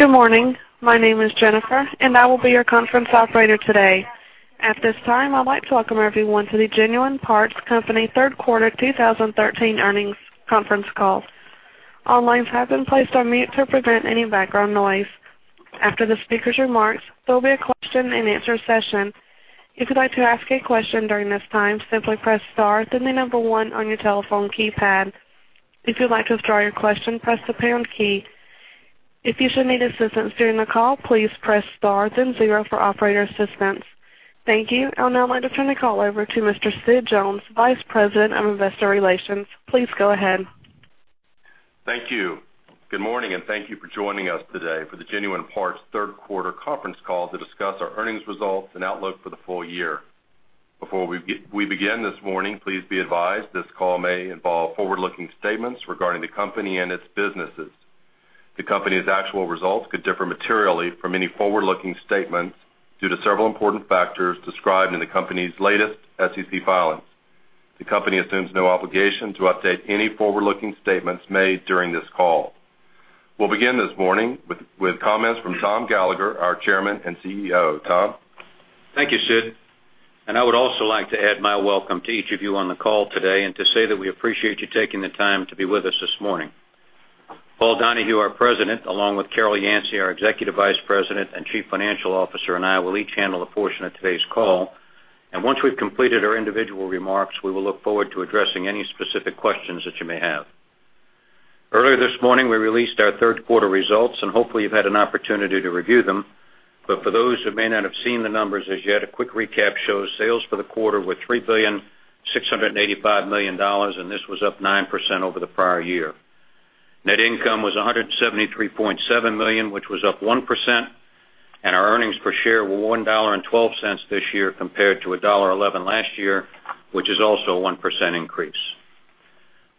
Good morning. My name is Jennifer, and I will be your conference operator today. At this time, I'd like to welcome everyone to the Genuine Parts Company third quarter 2013 earnings conference call. All lines have been placed on mute to prevent any background noise. After the speaker's remarks, there will be a question-and-answer session. If you'd like to ask a question during this time, simply press star, then the number 1 on your telephone keypad. If you'd like to withdraw your question, press the pound key. If you should need assistance during the call, please press star then zero for operator assistance. Thank you. I'll now like to turn the call over to Mr. Sid Jones, Vice President of Investor Relations. Please go ahead. Thank you. Good morning, and thank you for joining us today for the Genuine Parts third quarter conference call to discuss our earnings results and outlook for the full year. Before we begin this morning, please be advised this call may involve forward-looking statements regarding the company and its businesses. The company's actual results could differ materially from any forward-looking statements due to several important factors described in the company's latest SEC filings. The company assumes no obligation to update any forward-looking statements made during this call. We'll begin this morning with comments from Tom Gallagher, our Chairman and CEO. Tom? Thank you, Sid. I would also like to add my welcome to each of you on the call today and to say that we appreciate you taking the time to be with us this morning. Paul Donahue, our President, along with Carol Yancey, our Executive Vice President and Chief Financial Officer, and I will each handle a portion of today's call. Once we've completed our individual remarks, we will look forward to addressing any specific questions that you may have. Earlier this morning, we released our third quarter results, and hopefully, you've had an opportunity to review them. For those who may not have seen the numbers as yet, a quick recap shows sales for the quarter were $3,685,000,000, and this was up 9% over the prior year. Net income was $173.7 million, which was up 1%, and our earnings per share were $1.12 this year compared to $1.11 last year, which is also a 1% increase.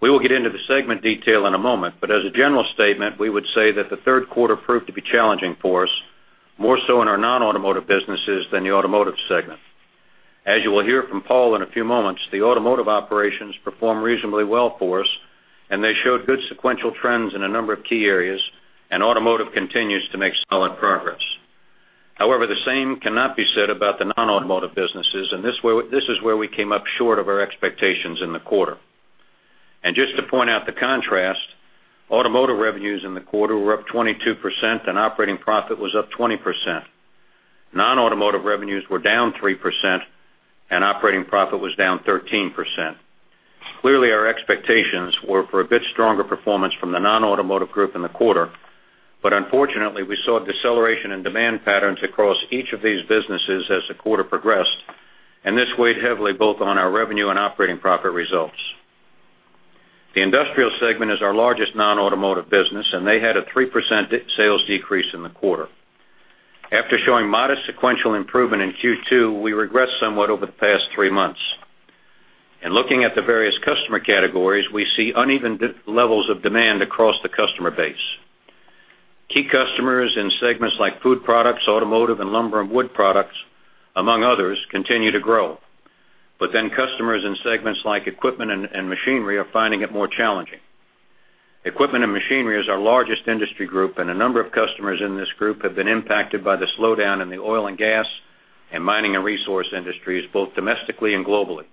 We will get into the segment detail in a moment, but as a general statement, we would say that the third quarter proved to be challenging for us, more so in our non-automotive businesses than the automotive segment. As you will hear from Paul in a few moments, the automotive operations performed reasonably well for us, and they showed good sequential trends in a number of key areas, and automotive continues to make solid progress. However, the same cannot be said about the non-automotive businesses, and this is where we came up short of our expectations in the quarter. Just to point out the contrast, automotive revenues in the quarter were up 22% and operating profit was up 20%. Non-automotive revenues were down 3% and operating profit was down 13%. Clearly, our expectations were for a bit stronger performance from the non-automotive group in the quarter. Unfortunately, we saw a deceleration in demand patterns across each of these businesses as the quarter progressed, this weighed heavily both on our revenue and operating profit results. The industrial segment is our largest non-automotive business, they had a 3% sales decrease in the quarter. After showing modest sequential improvement in Q2, we regressed somewhat over the past three months. In looking at the various customer categories, we see uneven levels of demand across the customer base. Key customers in segments like food products, automotive, and lumber and wood products, among others, continue to grow. Customers in segments like equipment and machinery are finding it more challenging. Equipment and machinery is our largest industry group, a number of customers in this group have been impacted by the slowdown in the oil and gas and mining and resource industries, both domestically and globally.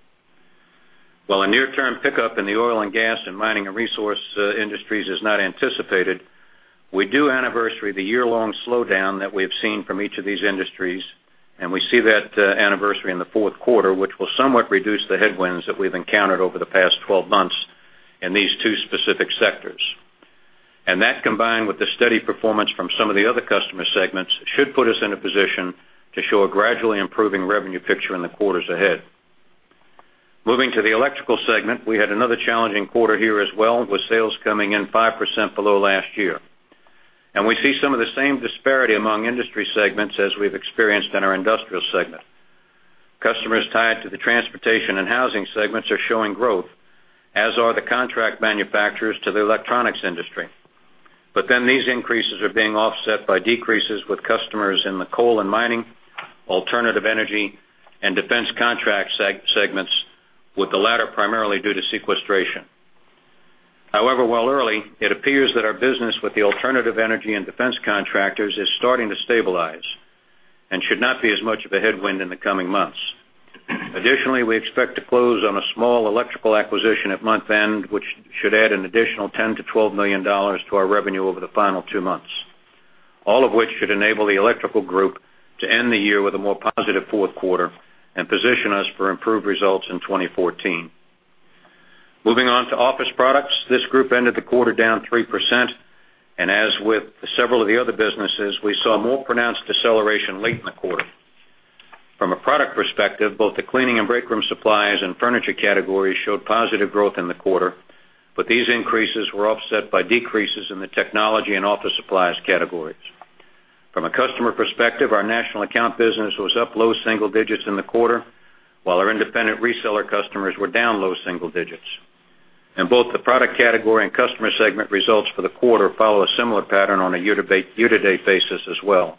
While a near-term pickup in the oil and gas and mining and resource industries is not anticipated, we do anniversary the year-long slowdown that we have seen from each of these industries, and we see that anniversary in the fourth quarter, which will somewhat reduce the headwinds that we've encountered over the past 12 months in these two specific sectors. That, combined with the steady performance from some of the other customer segments, should put us in a position to show a gradually improving revenue picture in the quarters ahead. Moving to the electrical segment, we had another challenging quarter here as well, with sales coming in 5% below last year. We see some of the same disparity among industry segments as we've experienced in our industrial segment. Customers tied to the transportation and housing segments are showing growth, as are the contract manufacturers to the electronics industry. These increases are being offset by decreases with customers in the coal and mining, alternative energy, and defense contract segments, with the latter primarily due to sequestration. However, while early, it appears that our business with the alternative energy and defense contractors is starting to stabilize and should not be as much of a headwind in the coming months. Additionally, we expect to close on a small electrical acquisition at month-end, which should add an additional $10 million-$12 million to our revenue over the final two months. All of which should enable the electrical group to end the year with a more positive fourth quarter and position us for improved results in 2014. Moving on to office products. This group ended the quarter down 3%. As with several of the other businesses, we saw more pronounced deceleration late in the quarter. From a product perspective, both the cleaning and break room supplies and furniture categories showed positive growth in the quarter, these increases were offset by decreases in the technology and office supplies categories. From a customer perspective, our national account business was up low single digits in the quarter, while our independent reseller customers were down low single digits. Both the product category and customer segment results for the quarter follow a similar pattern on a year-to-date basis as well.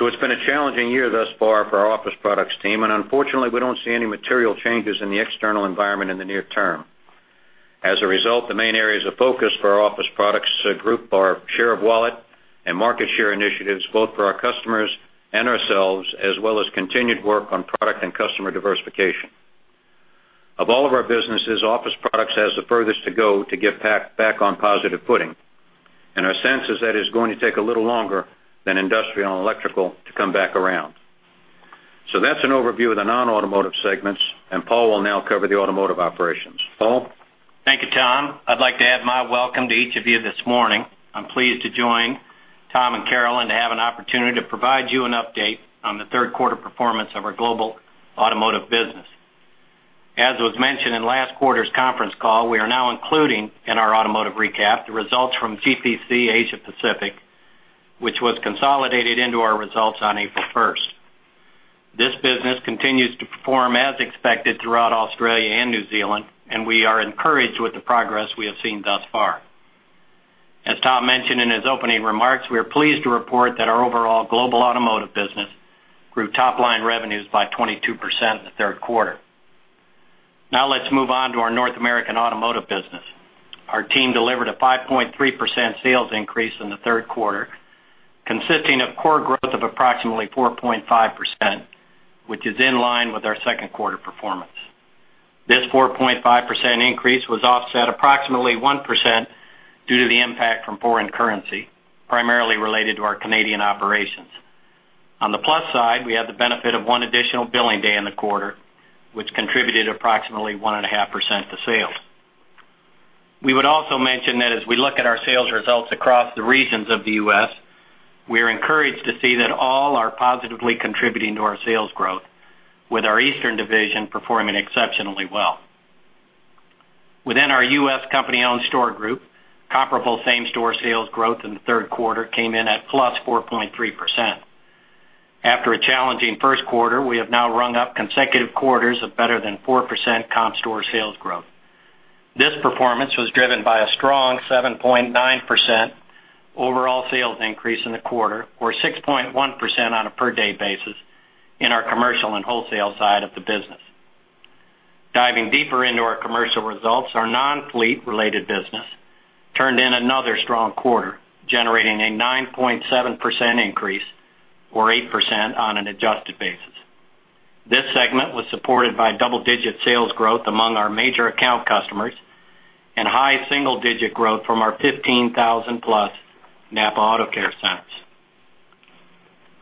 It's been a challenging year thus far for our Office Products team, unfortunately, we don't see any material changes in the external environment in the near term. As a result, the main areas of focus for our Office Products group are share of wallet and market share initiatives, both for our customers and ourselves, as well as continued work on product and customer diversification. Of all of our businesses, Office Products has the furthest to go to get back on positive footing, and our sense is that it's going to take a little longer than Industrial and Electrical to come back around. That's an overview of the non-automotive segments, and Paul will now cover the automotive operations. Paul? Thank you, Tom. I'd like to add my welcome to each of you this morning. I'm pleased to join Tom and Carol to have an opportunity to provide you an update on the third quarter performance of our global automotive business. As was mentioned in last quarter's conference call, we are now including in our automotive recap the results from GPC Asia Pacific, which was consolidated into our results on April 1st. This business continues to perform as expected throughout Australia and New Zealand, we are encouraged with the progress we have seen thus far. As Tom mentioned in his opening remarks, we are pleased to report that our overall global automotive business grew top-line revenues by 22% in the third quarter. Let's move on to our North American automotive business. Our team delivered a 5.3% sales increase in the third quarter, consisting of core growth of approximately 4.5%, which is in line with our second quarter performance. This 4.5% increase was offset approximately 1% due to the impact from foreign currency, primarily related to our Canadian operations. On the plus side, we had the benefit of one additional billing day in the quarter, which contributed approximately 1.5% to sales. We would also mention that as we look at our sales results across the regions of the U.S., we are encouraged to see that all are positively contributing to our sales growth, with our Eastern Division performing exceptionally well. Within our U.S. company-owned store group, comparable same-store sales growth in the third quarter came in at +4.3%. After a challenging first quarter, we have now rung up consecutive quarters of better than 4% comp store sales growth. This performance was driven by a strong 7.9% overall sales increase in the quarter, or 6.1% on a per-day basis in our commercial and wholesale side of the business. Diving deeper into our commercial results, our non-fleet related business turned in another strong quarter, generating a 9.7% increase, or 8% on an adjusted basis. This segment was supported by double-digit sales growth among our major account customers and high-single-digit growth from our 15,000-plus NAPA Auto Care Centers.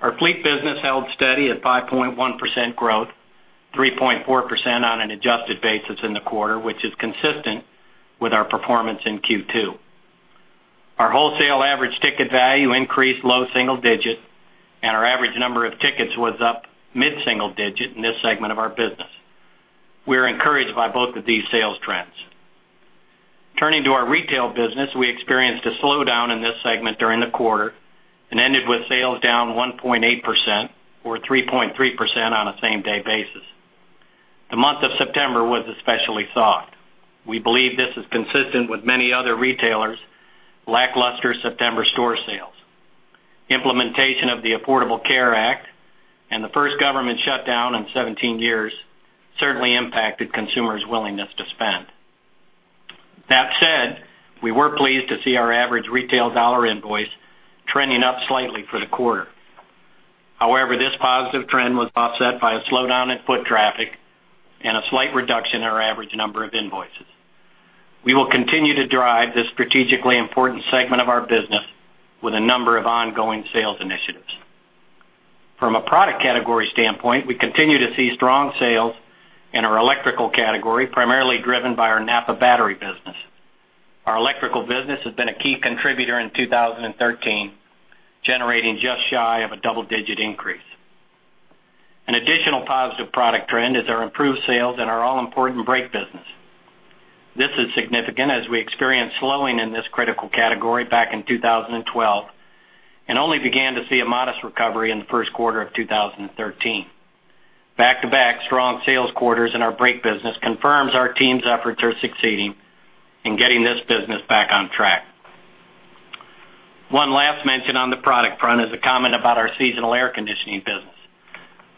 Our fleet business held steady at 5.1% growth, 3.4% on an adjusted basis in the quarter, which is consistent with our performance in Q2. Our wholesale average ticket value increased low-single-digit, and our average number of tickets was up mid-single-digit in this segment of our business. We are encouraged by both of these sales trends. Turning to our retail business, we experienced a slowdown in this segment during the quarter and ended with sales down 1.8%, or 3.3% on a same-day basis. The month of September was especially soft. We believe this is consistent with many other retailers' lackluster September store sales. Implementation of the Affordable Care Act and the first government shutdown in 17 years certainly impacted consumers' willingness to spend. That said, we were pleased to see our average retail dollar invoice trending up slightly for the quarter. However, this positive trend was offset by a slowdown in foot traffic and a slight reduction in our average number of invoices. We will continue to drive this strategically important segment of our business with a number of ongoing sales initiatives. From a product category standpoint, we continue to see strong sales in our electrical category, primarily driven by our NAPA battery business. Our electrical business has been a key contributor in 2013, generating just shy of a double-digit increase. An additional positive product trend is our improved sales in our all-important brake business. This is significant as we experienced slowing in this critical category back in 2012 and only began to see a modest recovery in the first quarter of 2013. Back-to-back strong sales quarters in our brake business confirms our team's efforts are succeeding in getting this business back on track. One last mention on the product front is a comment about our seasonal air conditioning business.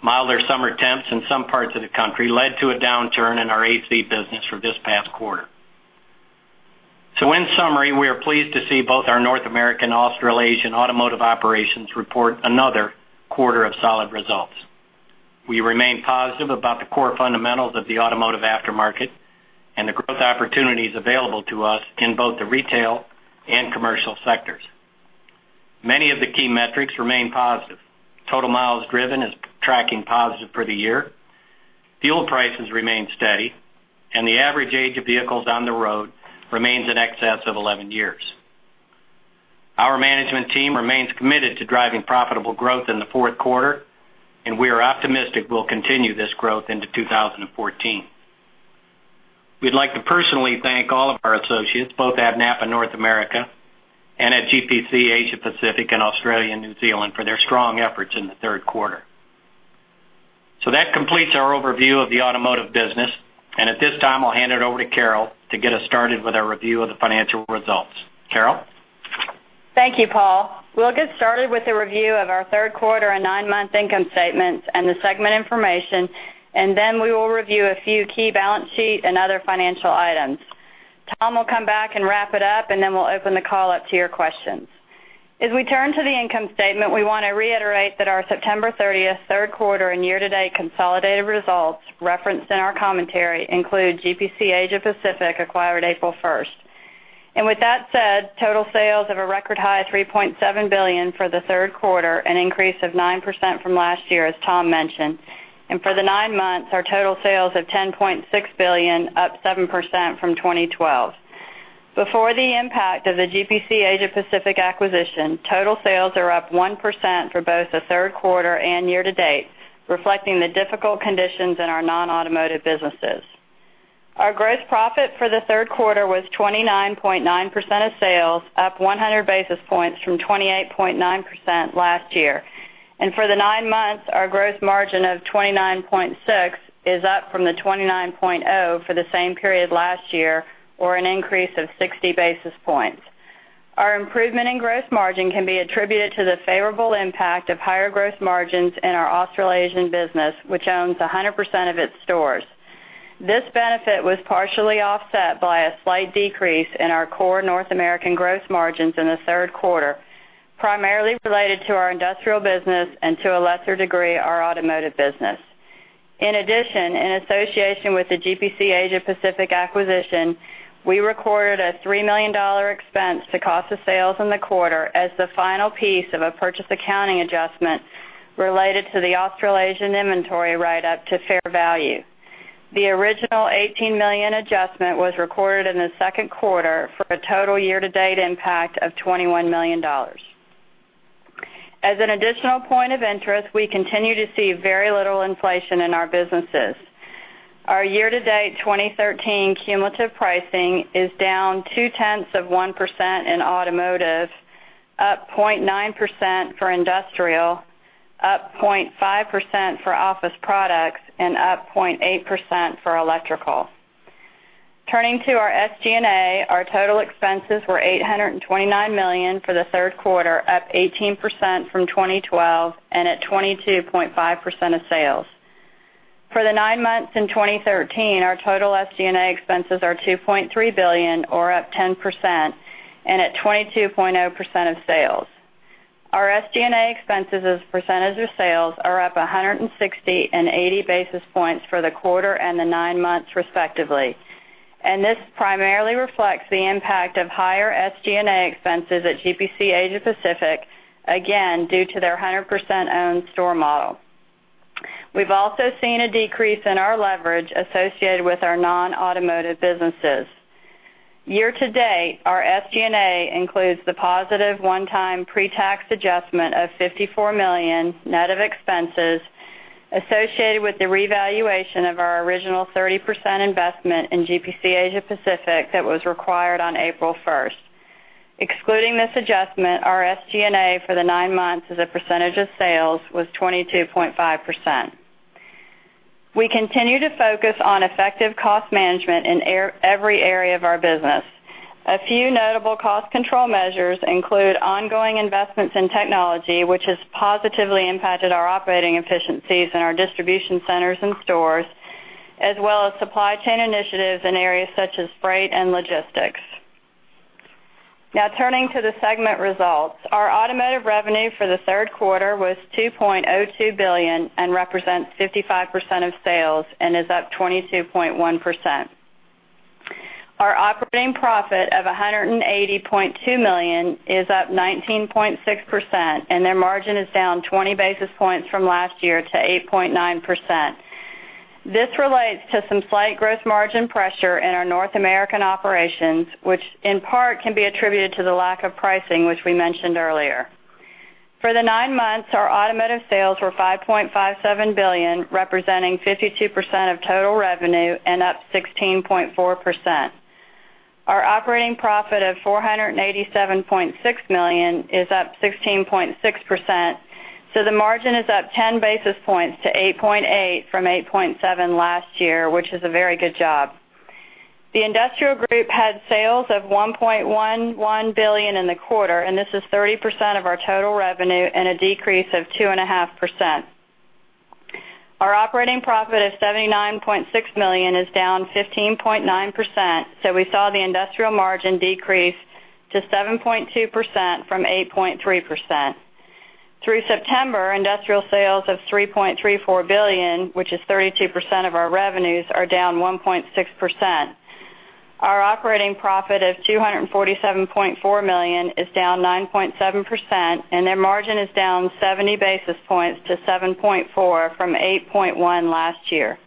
Milder summer temps in some parts of the country led to a downturn in our AC business for this past quarter. In summary, we are pleased to see both our North American, Australasian automotive operations report another quarter of solid results. We remain positive about the core fundamentals of the automotive aftermarket and the growth opportunities available to us in both the retail and commercial sectors. Many of the key metrics remain positive. Total miles driven is tracking positive for the year. Fuel prices remain steady, and the average age of vehicles on the road remains in excess of 11 years. Our management team remains committed to driving profitable growth in the fourth quarter, and we are optimistic we'll continue this growth into 2014. We'd like to personally thank all of our associates, both at NAPA North America and at GPC Asia Pacific and Australia and New Zealand, for their strong efforts in the third quarter. That completes our overview of the automotive business. At this time, I'll hand it over to Carol to get us started with our review of the financial results. Carol? Thank you, Paul. We'll get started with a review of our third quarter and nine-month income statements and the segment information, then we will review a few key balance sheet and other financial items. Tom will come back and wrap it up, then we'll open the call up to your questions. As we turn to the income statement, we want to reiterate that our September 30th, third quarter, and year-to-date consolidated results referenced in our commentary include GPC Asia Pacific acquired April 1st. With that said, total sales of a record high of $3.7 billion for the third quarter, an increase of 9% from last year, as Tom mentioned. For the nine months, our total sales of $10.6 billion, up 7% from 2012. Before the impact of the GPC Asia Pacific acquisition, total sales are up 1% for both the third quarter and year-to-date, reflecting the difficult conditions in our non-automotive businesses. Our gross profit for the third quarter was 29.9% of sales, up 100 basis points from 28.9% last year. For the nine months, our gross margin of 29.6% is up from the 29.0% for the same period last year, or an increase of 60 basis points. Our improvement in gross margin can be attributed to the favorable impact of higher gross margins in our Australasian business, which owns 100% of its stores. This benefit was partially offset by a slight decrease in our core North American gross margins in the third quarter, primarily related to our industrial business and, to a lesser degree, our automotive business. In addition, in association with the GPC Asia Pacific acquisition, we recorded a $3 million expense to cost of sales in the quarter as the final piece of a purchase accounting adjustment related to the Australasian inventory write-up to fair value. The original $18 million adjustment was recorded in the second quarter for a total year-to-date impact of $21 million. As an additional point of interest, we continue to see very little inflation in our businesses. Our year-to-date 2013 cumulative pricing is down two-tenths of 1% in automotive, up 0.9% for industrial, up 0.5% for office products, and up 0.8% for electrical. Turning to our SG&A, our total expenses were $829 million for the third quarter, up 18% from 2012 and at 22.5% of sales. For the nine months in 2013, our total SG&A expenses are $2.3 billion, or up 10%, and at 22.0% of sales. Our SG&A expenses as a percentage of sales are up 160 and 80 basis points for the quarter and the nine months respectively. This primarily reflects the impact of higher SG&A expenses at GPC Asia Pacific, again, due to their 100% owned store model. We've also seen a decrease in our leverage associated with our non-automotive businesses. Year-to-date, our SG&A includes the positive one-time pre-tax adjustment of $54 million, net of expenses, associated with the revaluation of our original 30% investment in GPC Asia Pacific that was required on April 1st. Excluding this adjustment, our SG&A for the nine months as a percentage of sales was 22.5%. We continue to focus on effective cost management in every area of our business. A few notable cost control measures include ongoing investments in technology, which has positively impacted our operating efficiencies in our distribution centers and stores, as well as supply chain initiatives in areas such as freight and logistics. Turning to the segment results. Our automotive revenue for the third quarter was $2.02 billion and represents 55% of sales and is up 22.1%. Our operating profit of $180.2 million is up 19.6%, and their margin is down 20 basis points from last year to 8.9%. This relates to some slight gross margin pressure in our North American operations, which in part can be attributed to the lack of pricing, which we mentioned earlier. For the nine months, our automotive sales were $5.57 billion, representing 52% of total revenue and up 16.4%. Our operating profit of $487.6 million is up 16.6%. The margin is up 10 basis points to 8.8% from 8.7% last year, which is a very good job. The industrial group had sales of $1.11 billion in the quarter. This is 30% of our total revenue and a decrease of 2.5%. Our operating profit of $79.6 million is down 15.9%. We saw the industrial margin decrease to 7.2% from 8.3%. Through September, industrial sales of $3.34 billion, which is 32% of our revenues, are down 1.6%. Our operating profit of $247.4 million is down 9.7%. Their margin is down 70 basis points to 7.4% from 8.1% last year.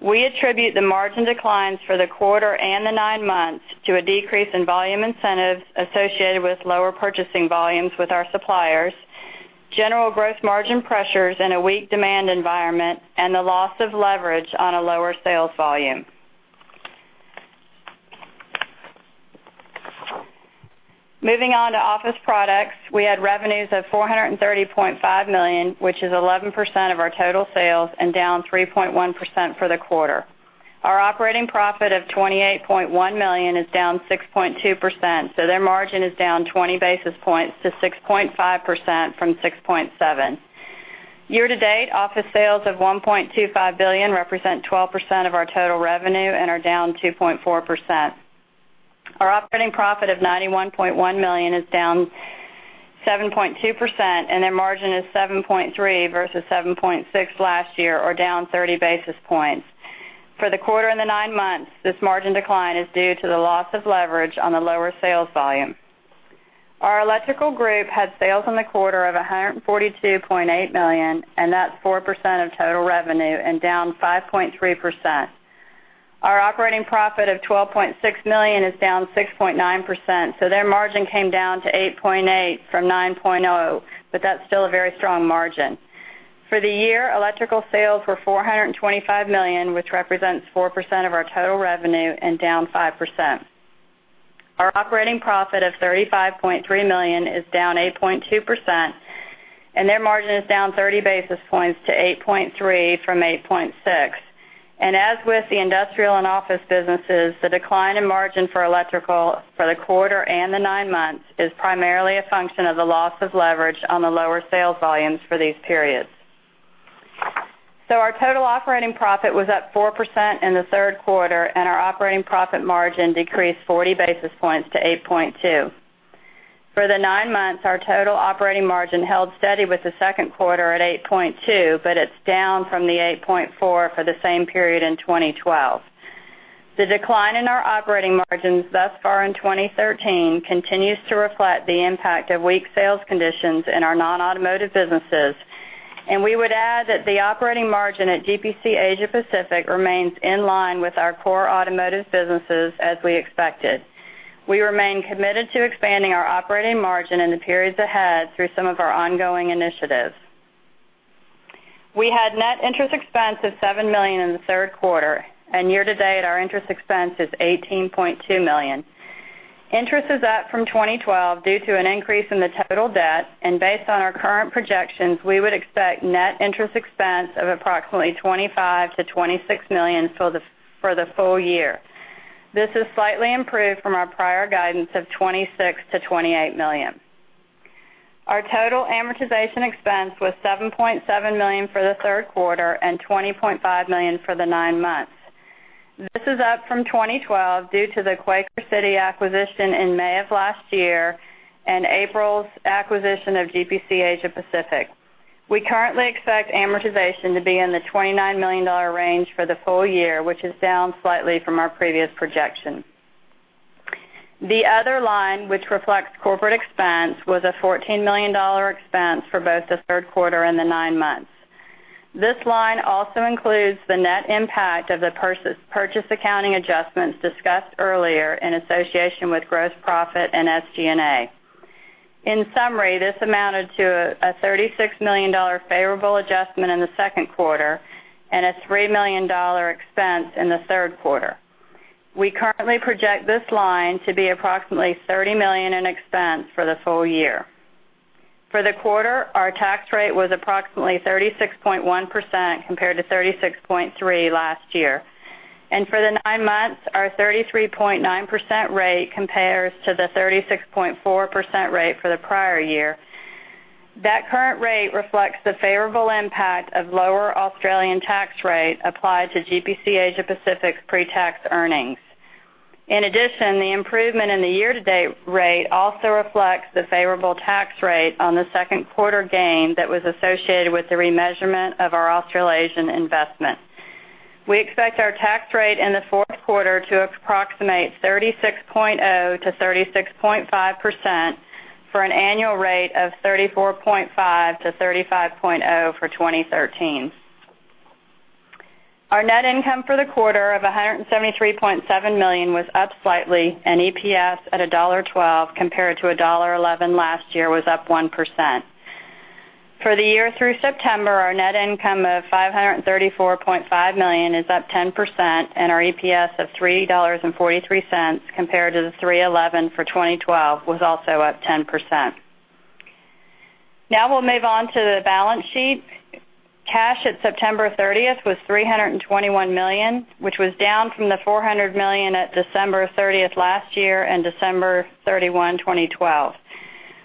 We attribute the margin declines for the quarter and the nine months to a decrease in volume incentives associated with lower purchasing volumes with our suppliers, general gross margin pressures in a weak demand environment, and the loss of leverage on a lower sales volume. Moving on to office products, we had revenues of $430.5 million, which is 11% of our total sales and down 3.1% for the quarter. Our operating profit of $28.1 million is down 6.2%. Their margin is down 20 basis points to 6.5% from 6.7%. Year-to-date, office sales of $1.25 billion represent 12% of our total revenue and are down 2.4%. Our operating profit of $91.1 million is down 7.2%. Their margin is 7.3% versus 7.6% last year or down 30 basis points. For the quarter and the nine months, this margin decline is due to the loss of leverage on the lower sales volume. Our electrical group had sales in the quarter of $142.8 million. That's 4% of total revenue and down 5.3%. Our operating profit of $12.6 million is down 6.9%. Their margin came down to 8.8% from 9.0%, but that's still a very strong margin. For the year, electrical sales were $425 million, which represents 4% of our total revenue and down 5%. Our operating profit of $35.3 million is down 8.2%. Their margin is down 30 basis points to 8.3% from 8.6%. As with the industrial and office businesses, the decline in margin for electrical for the quarter and the nine months is primarily a function of the loss of leverage on the lower sales volumes for these periods. Our total operating profit was up 4% in the third quarter. Our operating profit margin decreased 40 basis points to 8.2%. For the nine months, our total operating margin held steady with the second quarter at 8.2%. It's down from the 8.4% for the same period in 2012. The decline in our operating margins thus far in 2013 continues to reflect the impact of weak sales conditions in our non-automotive businesses. We would add that the operating margin at GPC Asia Pacific remains in line with our core automotive businesses as we expected. We remain committed to expanding our operating margin in the periods ahead through some of our ongoing initiatives. We had net interest expense of $7 million in the third quarter. Year-to-date, our interest expense is $18.2 million. Interest is up from 2012 due to an increase in the total debt. Based on our current projections, we would expect net interest expense of approximately $25 million-$26 million for the full year. This is slightly improved from our prior guidance of $26 million-$28 million. Our total amortization expense was $7.7 million for the third quarter and $20.5 million for the nine months. This is up from 2012 due to the Quaker City acquisition in May of last year and April's acquisition of GPC Asia Pacific. We currently expect amortization to be in the $29 million range for the full year, which is down slightly from our previous projection. The other line, which reflects corporate expense, was a $14 million expense for both the third quarter and the nine months. This line also includes the net impact of the purchase accounting adjustments discussed earlier in association with gross profit and SG&A. In summary, this amounted to a $36 million favorable adjustment in the second quarter and a $3 million expense in the third quarter. We currently project this line to be approximately $30 million in expense for the full year. For the quarter, our tax rate was approximately 36.1% compared to 36.3% last year. For the nine months, our 33.9% rate compares to the 36.4% rate for the prior year. That current rate reflects the favorable impact of lower Australian tax rate applied to GPC Asia Pacific's pretax earnings. In addition, the improvement in the year-to-date rate also reflects the favorable tax rate on the second quarter gain that was associated with the remeasurement of our Australasian investment. We expect our tax rate in the fourth quarter to approximate 36.0%-36.5% for an annual rate of 34.5%-35.0% for 2013. Our net income for the quarter of $173.7 million was up slightly and EPS at $1.12 compared to $1.11 last year was up 1%. For the year through September, our net income of $534.5 million is up 10%, and our EPS of $3.43 compared to the $3.11 for 2012 was also up 10%. We'll move on to the balance sheet. Cash at September 30th was $321 million, which was down from the $400 million at December 30th last year and December 31, 2012.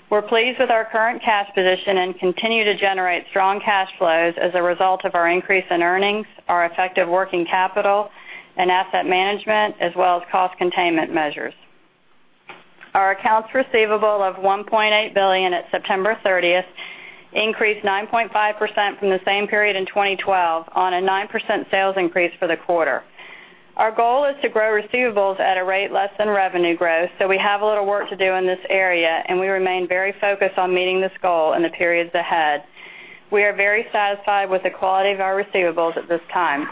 We're pleased with our current cash position and continue to generate strong cash flows as a result of our increase in earnings, our effective working capital, and asset management, as well as cost containment measures. Our accounts receivable of $1.8 billion at September 30th increased 9.5% from the same period in 2012 on a 9% sales increase for the quarter. We have a little work to do in this area, and we remain very focused on meeting this goal in the periods ahead. We are very satisfied with the quality of our receivables at this time.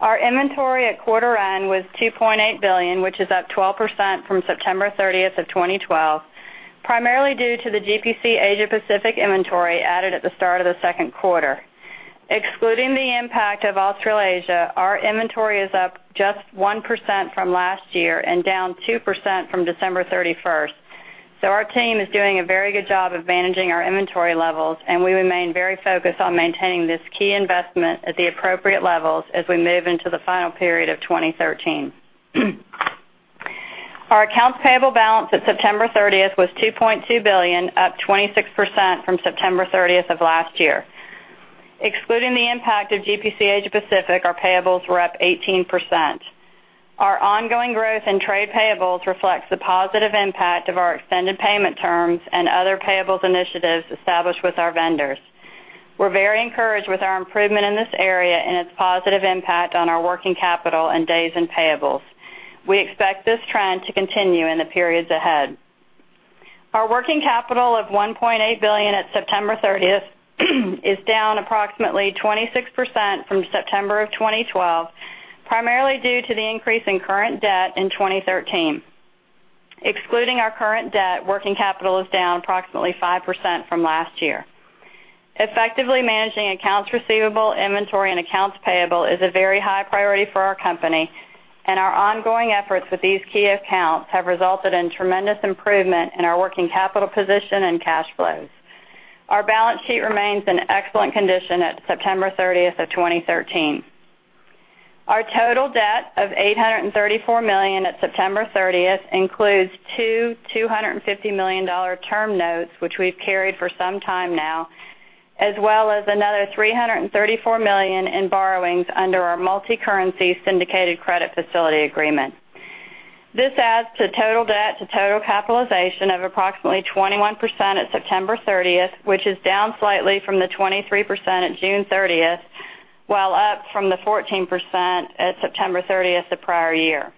Our inventory at quarter end was $2.8 billion, which is up 12% from September 30th of 2012, primarily due to the GPC Asia Pacific inventory added at the start of the second quarter. Excluding the impact of Australasia, our inventory is up just 1% from last year and down 2% from December 31st. Our team is doing a very good job of managing our inventory levels, and we remain very focused on maintaining this key investment at the appropriate levels as we move into the final period of 2013. Our accounts payable balance at September 30th was $2.2 billion, up 26% from September 30th of last year. Excluding the impact of GPC Asia Pacific, our payables were up 18%. Our ongoing growth in trade payables reflects the positive impact of our extended payment terms and other payables initiatives established with our vendors. We're very encouraged with our improvement in this area and its positive impact on our working capital and days in payables. We expect this trend to continue in the periods ahead. Our working capital of $1.8 billion at September 30th is down approximately 26% from September of 2012, primarily due to the increase in current debt in 2013. Excluding our current debt, working capital is down approximately 5% from last year. Effectively managing accounts receivable, inventory, and accounts payable is a very high priority for our company, and our ongoing efforts with these key accounts have resulted in tremendous improvement in our working capital position and cash flows. Our balance sheet remains in excellent condition at September 30th of 2013. Our total debt of $834 million at September 30th includes two $250 million term notes, which we've carried for some time now, as well as another $334 million in borrowings under our multi-currency syndicated credit facility agreement. This adds to total debt to total capitalization of approximately 21% at September 30th, which is down slightly from the 23% at June 30th, while up from the 14% at September 30th the prior year.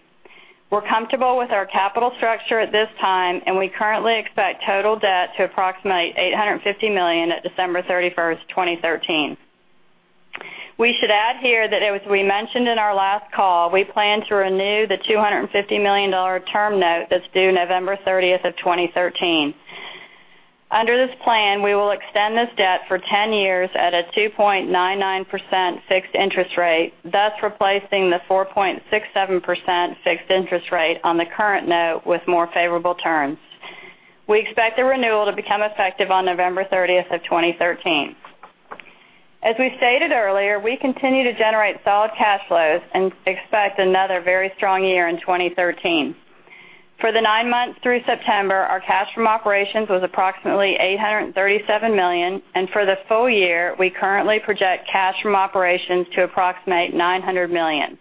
We're comfortable with our capital structure at this time, and we currently expect total debt to approximate $850 million at December 31st, 2013. We should add here that as we mentioned in our last call, we plan to renew the $250 million term note that's due November 30th of 2013. Under this plan, we will extend this debt for 10 years at a 2.99% fixed interest rate, thus replacing the 4.67% fixed interest rate on the current note with more favorable terms. We expect the renewal to become effective on November 30th of 2013. As we stated earlier, we continue to generate solid cash flows and expect another very strong year in 2013. For the nine months through September, our cash from operations was approximately $837 million, and for the full year, we currently project cash from operations to approximate $900 million.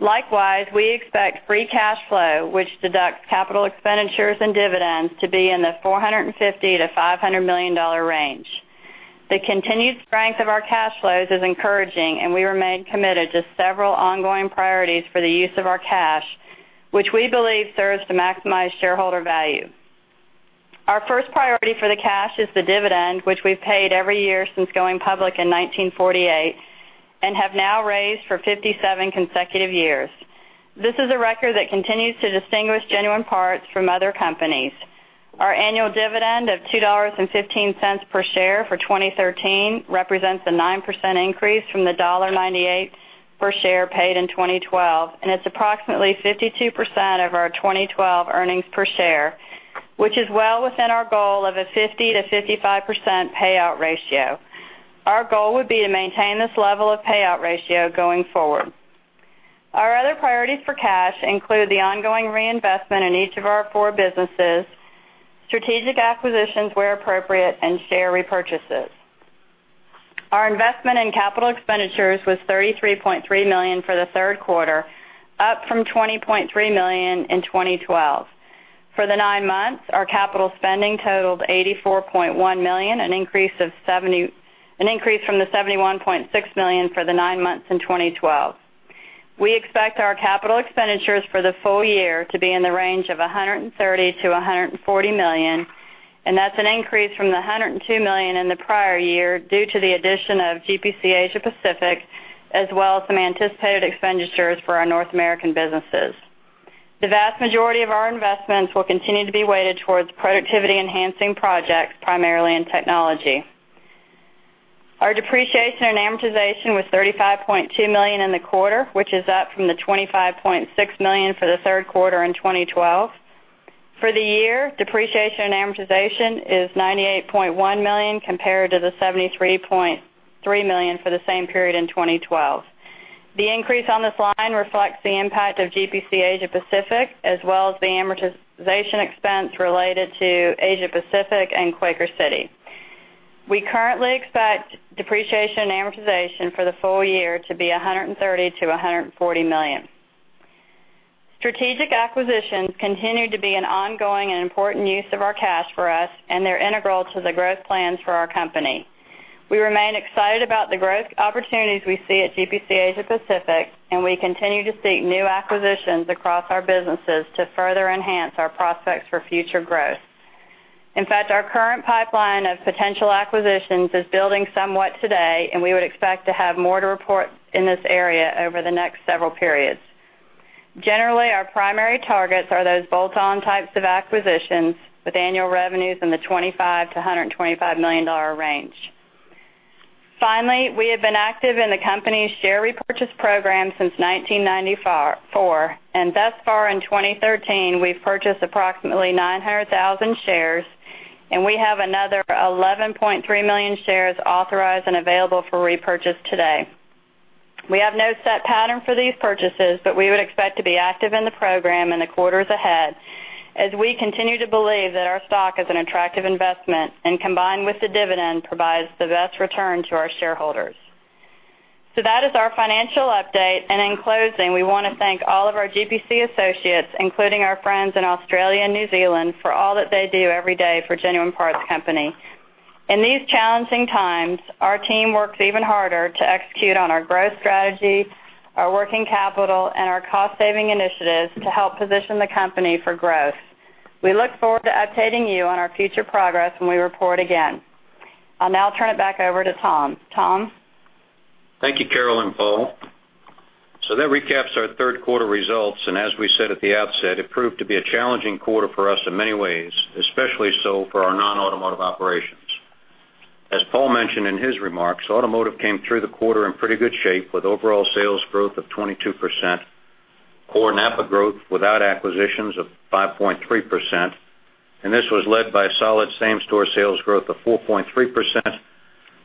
Likewise, we expect free cash flow, which deducts capital expenditures and dividends, to be in the $450 million-$500 million range. The continued strength of our cash flows is encouraging, and we remain committed to several ongoing priorities for the use of our cash, which we believe serves to maximize shareholder value. Our first priority for the cash is the dividend, which we've paid every year since going public in 1948 and have now raised for 57 consecutive years. This is a record that continues to distinguish Genuine Parts from other companies. Our annual dividend of $2.15 per share for 2013 represents a 9% increase from the $1.98 per share paid in 2012, and it's approximately 52% of our 2012 earnings per share, which is well within our goal of a 50%-55% payout ratio. Our goal would be to maintain this level of payout ratio going forward. Our other priorities for cash include the ongoing reinvestment in each of our four businesses, strategic acquisitions where appropriate, and share repurchases. Our investment in capital expenditures was $33.3 million for the third quarter, up from $20.3 million in 2012. For the nine months, our capital spending totaled $84.1 million, an increase from the $71.6 million for the nine months in 2012. We expect our capital expenditures for the full year to be in the range of $130 million-$140 million. That's an increase from the $102 million in the prior year due to the addition of GPC Asia Pacific, as well as some anticipated expenditures for our North American businesses. The vast majority of our investments will continue to be weighted towards productivity-enhancing projects, primarily in technology. Our depreciation and amortization was $35.2 million in the quarter, which is up from the $25.6 million for the third quarter in 2012. For the year, depreciation and amortization is $98.1 million compared to the $73.3 million for the same period in 2012. The increase on this line reflects the impact of GPC Asia Pacific, as well as the amortization expense related to Asia Pacific and Quaker City. We currently expect depreciation and amortization for the full year to be $130 million-$140 million. Strategic acquisitions continue to be an ongoing and important use of our cash for us. They're integral to the growth plans for our company. We remain excited about the growth opportunities we see at GPC Asia Pacific. We continue to seek new acquisitions across our businesses to further enhance our prospects for future growth. In fact, our current pipeline of potential acquisitions is building somewhat today. We would expect to have more to report in this area over the next several periods. Generally, our primary targets are those bolt-on types of acquisitions with annual revenues in the $25 million-$125 million range. Finally, we have been active in the company's share repurchase program since 1994. Thus far in 2013, we've purchased approximately 900,000 shares. We have another 11.3 million shares authorized and available for repurchase today. We have no set pattern for these purchases. We would expect to be active in the program in the quarters ahead as we continue to believe that our stock is an attractive investment and combined with the dividend, provides the best return to our shareholders. That is our financial update. In closing, we want to thank all of our GPC associates, including our friends in Australia and New Zealand, for all that they do every day for Genuine Parts Company. In these challenging times, our team works even harder to execute on our growth strategy, our working capital, and our cost-saving initiatives to help position the company for growth. We look forward to updating you on our future progress when we report again. I'll now turn it back over to Tom. Tom? Thank you, Carol and Paul. That recaps our third quarter results, and as we said at the outset, it proved to be a challenging quarter for us in many ways, especially so for our non-automotive operations. As Paul mentioned in his remarks, automotive came through the quarter in pretty good shape with overall sales growth of 22%, core NAPA growth without acquisitions of 5.3%, and this was led by a solid same-store sales growth of 4.3%,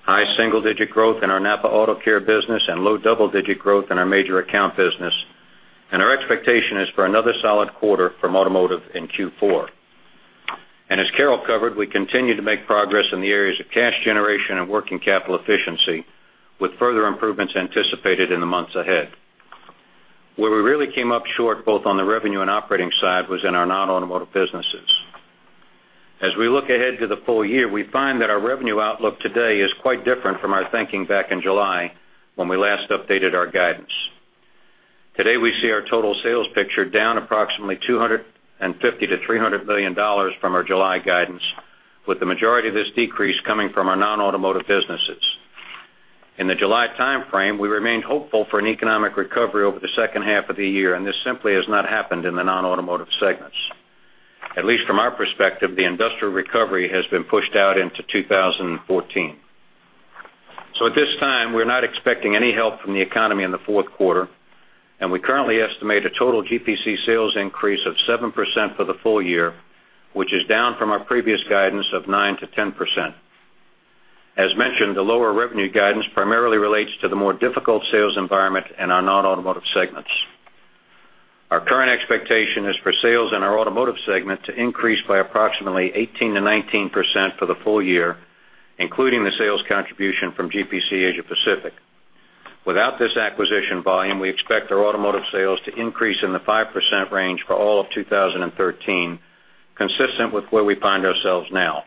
high single-digit growth in our NAPA Auto Care business and low double-digit growth in our major account business. Our expectation is for another solid quarter from automotive in Q4. As Carol covered, we continue to make progress in the areas of cash generation and working capital efficiency, with further improvements anticipated in the months ahead. Where we really came up short, both on the revenue and operating side, was in our non-automotive businesses. As we look ahead to the full year, we find that our revenue outlook today is quite different from our thinking back in July when we last updated our guidance. Today, we see our total sales picture down approximately $250 million-$300 million from our July guidance, with the majority of this decrease coming from our non-automotive businesses. In the July timeframe, we remained hopeful for an economic recovery over the second half of the year. This simply has not happened in the non-automotive segments. At least from our perspective, the industrial recovery has been pushed out into 2014. At this time, we're not expecting any help from the economy in the fourth quarter, and we currently estimate a total GPC sales increase of 7% for the full year, which is down from our previous guidance of 9%-10%. As mentioned, the lower revenue guidance primarily relates to the more difficult sales environment in our non-automotive segments. Our current expectation is for sales in our automotive segment to increase by approximately 18%-19% for the full year, including the sales contribution from GPC Asia Pacific. Without this acquisition volume, we expect our automotive sales to increase in the 5% range for all of 2013, consistent with where we find ourselves now.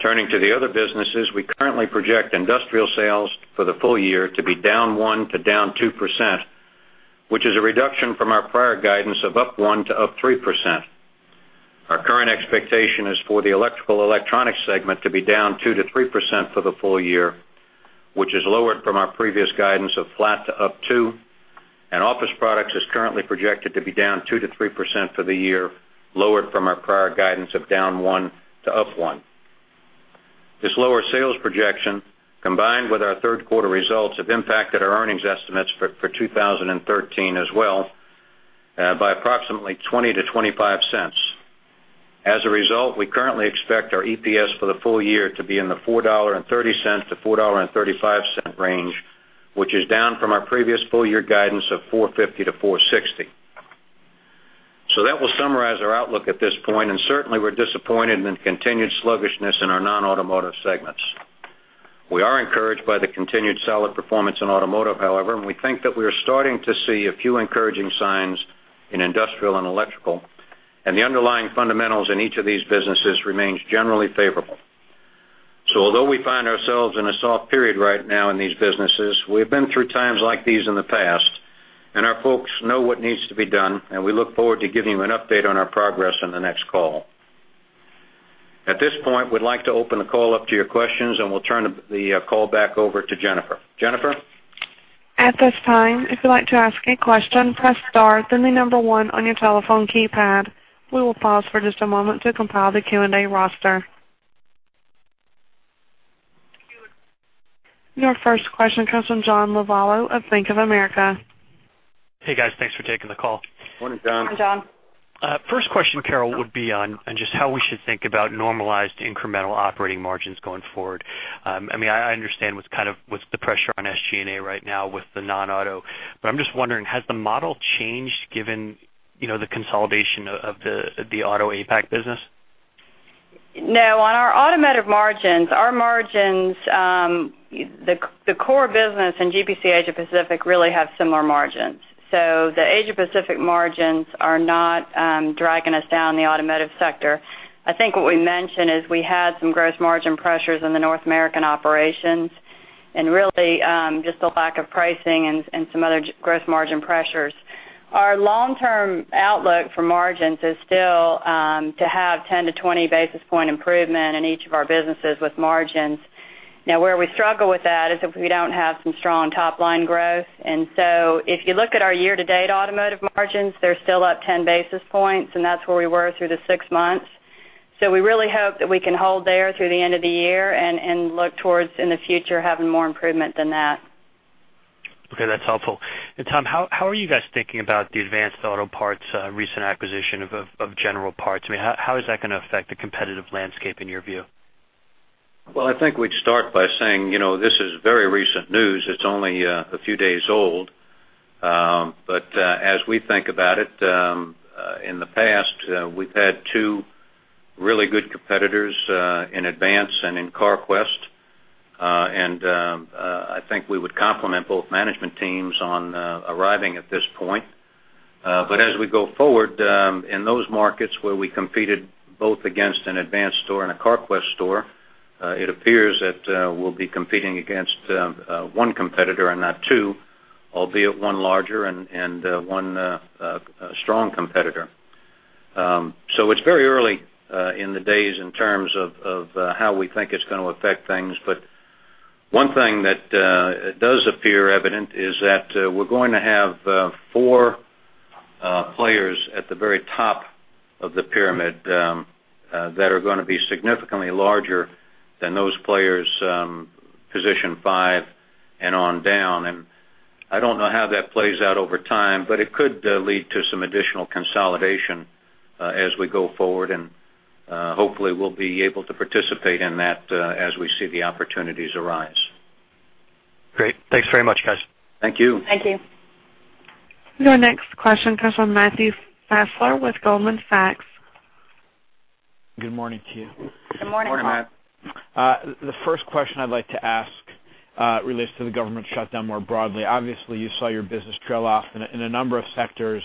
Turning to the other businesses, we currently project industrial sales for the full year to be down -1% to -2%, which is a reduction from our prior guidance of +1% to +3%. Our current expectation is for the electrical and electronics segment to be down -2% to -3% for the full year, which is lower from our previous guidance of flat to +2%. Office products is currently projected to be down -2% to -3% for the year, lower from our prior guidance of -1% to +1%. This lower sales projection, combined with our third-quarter results, have impacted our earnings estimates for 2013 as well by approximately $0.20-$0.25. As a result, we currently expect our EPS for the full year to be in the $4.30-$4.35 range, which is down from our previous full year guidance of $4.50-$4.60. That will summarize our outlook at this point, and certainly, we're disappointed in the continued sluggishness in our non-automotive segments. We are encouraged by the continued solid performance in automotive, however, we think that we are starting to see a few encouraging signs in industrial and electrical. The underlying fundamentals in each of these businesses remains generally favorable. Although we find ourselves in a soft period right now in these businesses, we've been through times like these in the past. Our folks know what needs to be done, and we look forward to giving you an update on our progress on the next call. At this point, we'd like to open the call up to your questions. We'll turn the call back over to Jennifer. Jennifer. At this time, if you'd like to ask a question, press star, then the number one on your telephone keypad. We will pause for just a moment to compile the Q&A roster. Your first question comes from John Lovallo of Bank of America. Hey, guys. Thanks for taking the call. Morning, John. Morning, John. First question, Carol, would be on just how we should think about normalized incremental operating margins going forward. I understand what's the pressure on SG&A right now with the non-auto, but I'm just wondering, has the model changed given the consolidation of the auto APAC business? No. On our automotive margins, the core business and GPC Asia Pacific really have similar margins. The Asia Pacific margins are not dragging us down the automotive sector. I think what we mentioned is we had some gross margin pressures in the North American operations and really just a lack of pricing and some other gross margin pressures. Our long-term outlook for margins is still to have 10-20 basis point improvement in each of our businesses with margins. Now, where we struggle with that is if we don't have some strong top-line growth. If you look at our year-to-date automotive margins, they're still up 10 basis points, and that's where we were through the six months. We really hope that we can hold there through the end of the year and look towards, in the future, having more improvement than that. Okay, that's helpful. Tom, how are you guys thinking about the Advance Auto Parts recent acquisition of General Parts? How is that going to affect the competitive landscape in your view? I think we'd start by saying, this is very recent news. It's only a few days old. As we think about it, in the past, we've had two really good competitors in Advance and in Carquest. I think we would compliment both management teams on arriving at this point. As we go forward, in those markets where we competed both against an Advance store and a Carquest store, it appears that we'll be competing against one competitor and not two, albeit one larger and one strong competitor. It's very early in the days in terms of how we think it's going to affect things. One thing that does appear evident is that we're going to have four players at the very top of the pyramid that are going to be significantly larger than those players positioned five and on down. I don't know how that plays out over time, but it could lead to some additional consolidation as we go forward. Hopefully, we'll be able to participate in that as we see the opportunities arise. Great. Thanks very much, guys. Thank you. Thank you. Your next question comes from Matthew Fassler with Goldman Sachs. Good morning to you. Good morning, Matt. Good morning, Matt. The first question I'd like to ask relates to the government shutdown more broadly. Obviously, you saw your business trail off in a number of sectors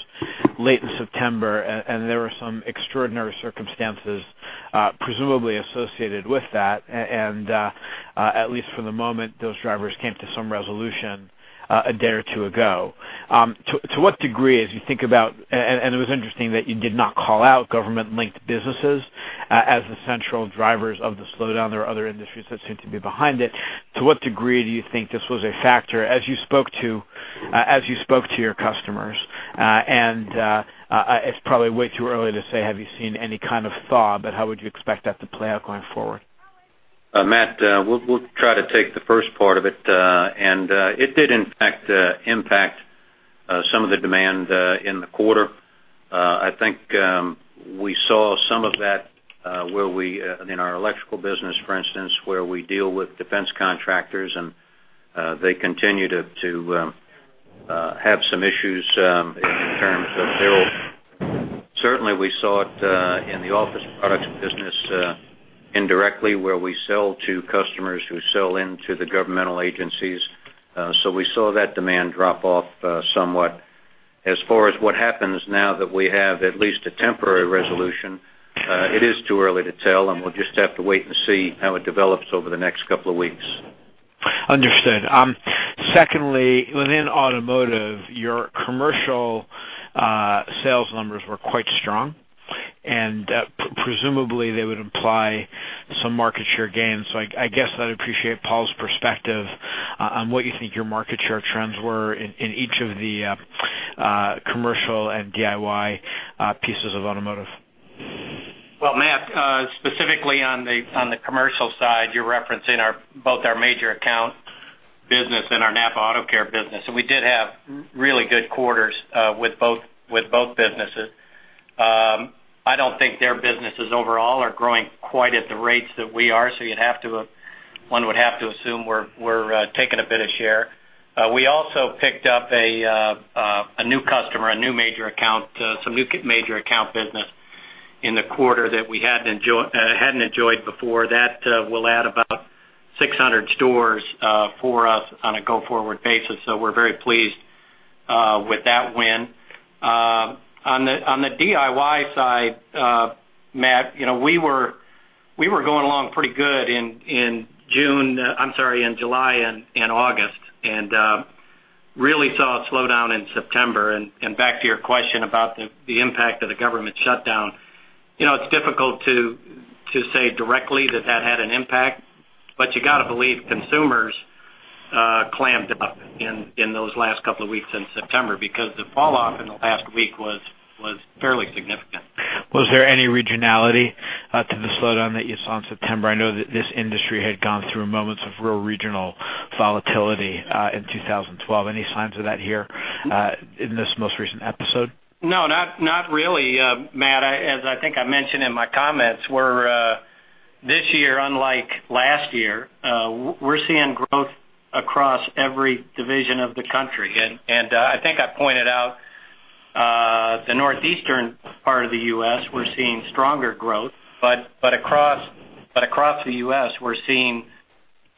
late in September, there were some extraordinary circumstances presumably associated with that. At least for the moment, those drivers came to some resolution a day or two ago. It was interesting that you did not call out government-linked businesses as the central drivers of the slowdown. There are other industries that seem to be behind it. To what degree do you think this was a factor as you spoke to your customers? It's probably way too early to say, have you seen any kind of thaw, but how would you expect that to play out going forward? Matt, we'll try to take the first part of it did impact some of the demand in the quarter. I think we saw some of that in our electrical business, for instance, where we deal with defense contractors, they continue to have some issues in terms of bills. Certainly, we saw it in the office products business indirectly where we sell to customers who sell into the governmental agencies. We saw that demand drop off somewhat. As far as what happens now that we have at least a temporary resolution, it is too early to tell, we'll just have to wait and see how it develops over the next couple of weeks. Understood. Secondly, within automotive, your commercial sales numbers were quite strong, presumably, they would imply some market share gains. I guess I'd appreciate Paul's perspective on what you think your market share trends were in each of the commercial and DIY pieces of automotive. Well, Matt, specifically on the commercial side, you are referencing both our major account business and our NAPA Auto Care business, and we did have really good quarters with both businesses. I do not think their businesses overall are growing quite at the rates that we are, so one would have to assume we are taking a bit of share. We also picked up a new customer, a new major account, some new major account business in the quarter that we had not enjoyed before. That will add about 600 stores for us on a go-forward basis. We are very pleased with that win. On the DIY side, Matt, we were going along pretty good in July and August and really saw a slowdown in September. Back to your question about the impact of the government shutdown, it is difficult to say directly that that had an impact, you got to believe consumers clammed up in those last couple of weeks in September because the fall off in the last week was fairly significant. Was there any regionality to the slowdown that you saw in September? I know that this industry had gone through moments of real regional volatility in 2012. Any signs of that here in this most recent episode? No, not really, Matt. As I think I mentioned in my comments, this year, unlike last year, we are seeing growth across every division of the country. I think I pointed out the northeastern part of the U.S., we are seeing stronger growth, across the U.S., we are seeing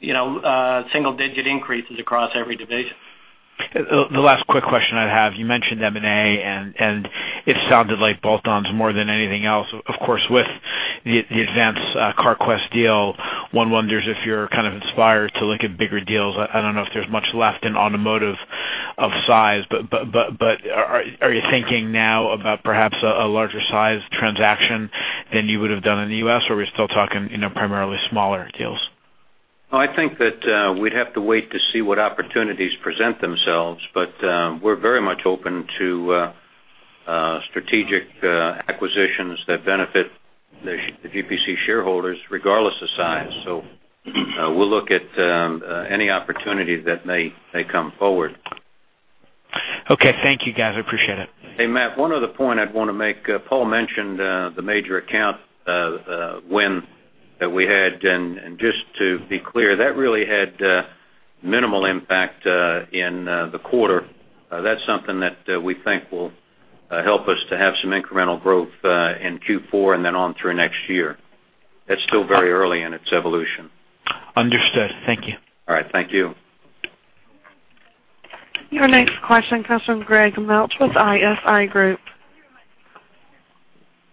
single-digit increases across every division. The last quick question I have, you mentioned M&A, and it sounded like bolt-ons more than anything else. Of course, with the Advance Carquest deal, one wonders if you're kind of inspired to look at bigger deals. I don't know if there's much left in automotive Of size. Are you thinking now about perhaps a larger size transaction than you would have done in the U.S., or are we still talking primarily smaller deals? I think that we'd have to wait to see what opportunities present themselves, but we're very much open to strategic acquisitions that benefit the GPC shareholders regardless of size. We'll look at any opportunity that may come forward. Okay. Thank you, guys. I appreciate it. Hey, Matt, one other point I'd want to make. Paul mentioned the major account win that we had, and just to be clear, that really had minimal impact in the quarter. That's something that we think will help us to have some incremental growth in Q4 and then on through next year. That's still very early in its evolution. Understood. Thank you. All right. Thank you. Your next question comes from Gregory Melich with ISI Group.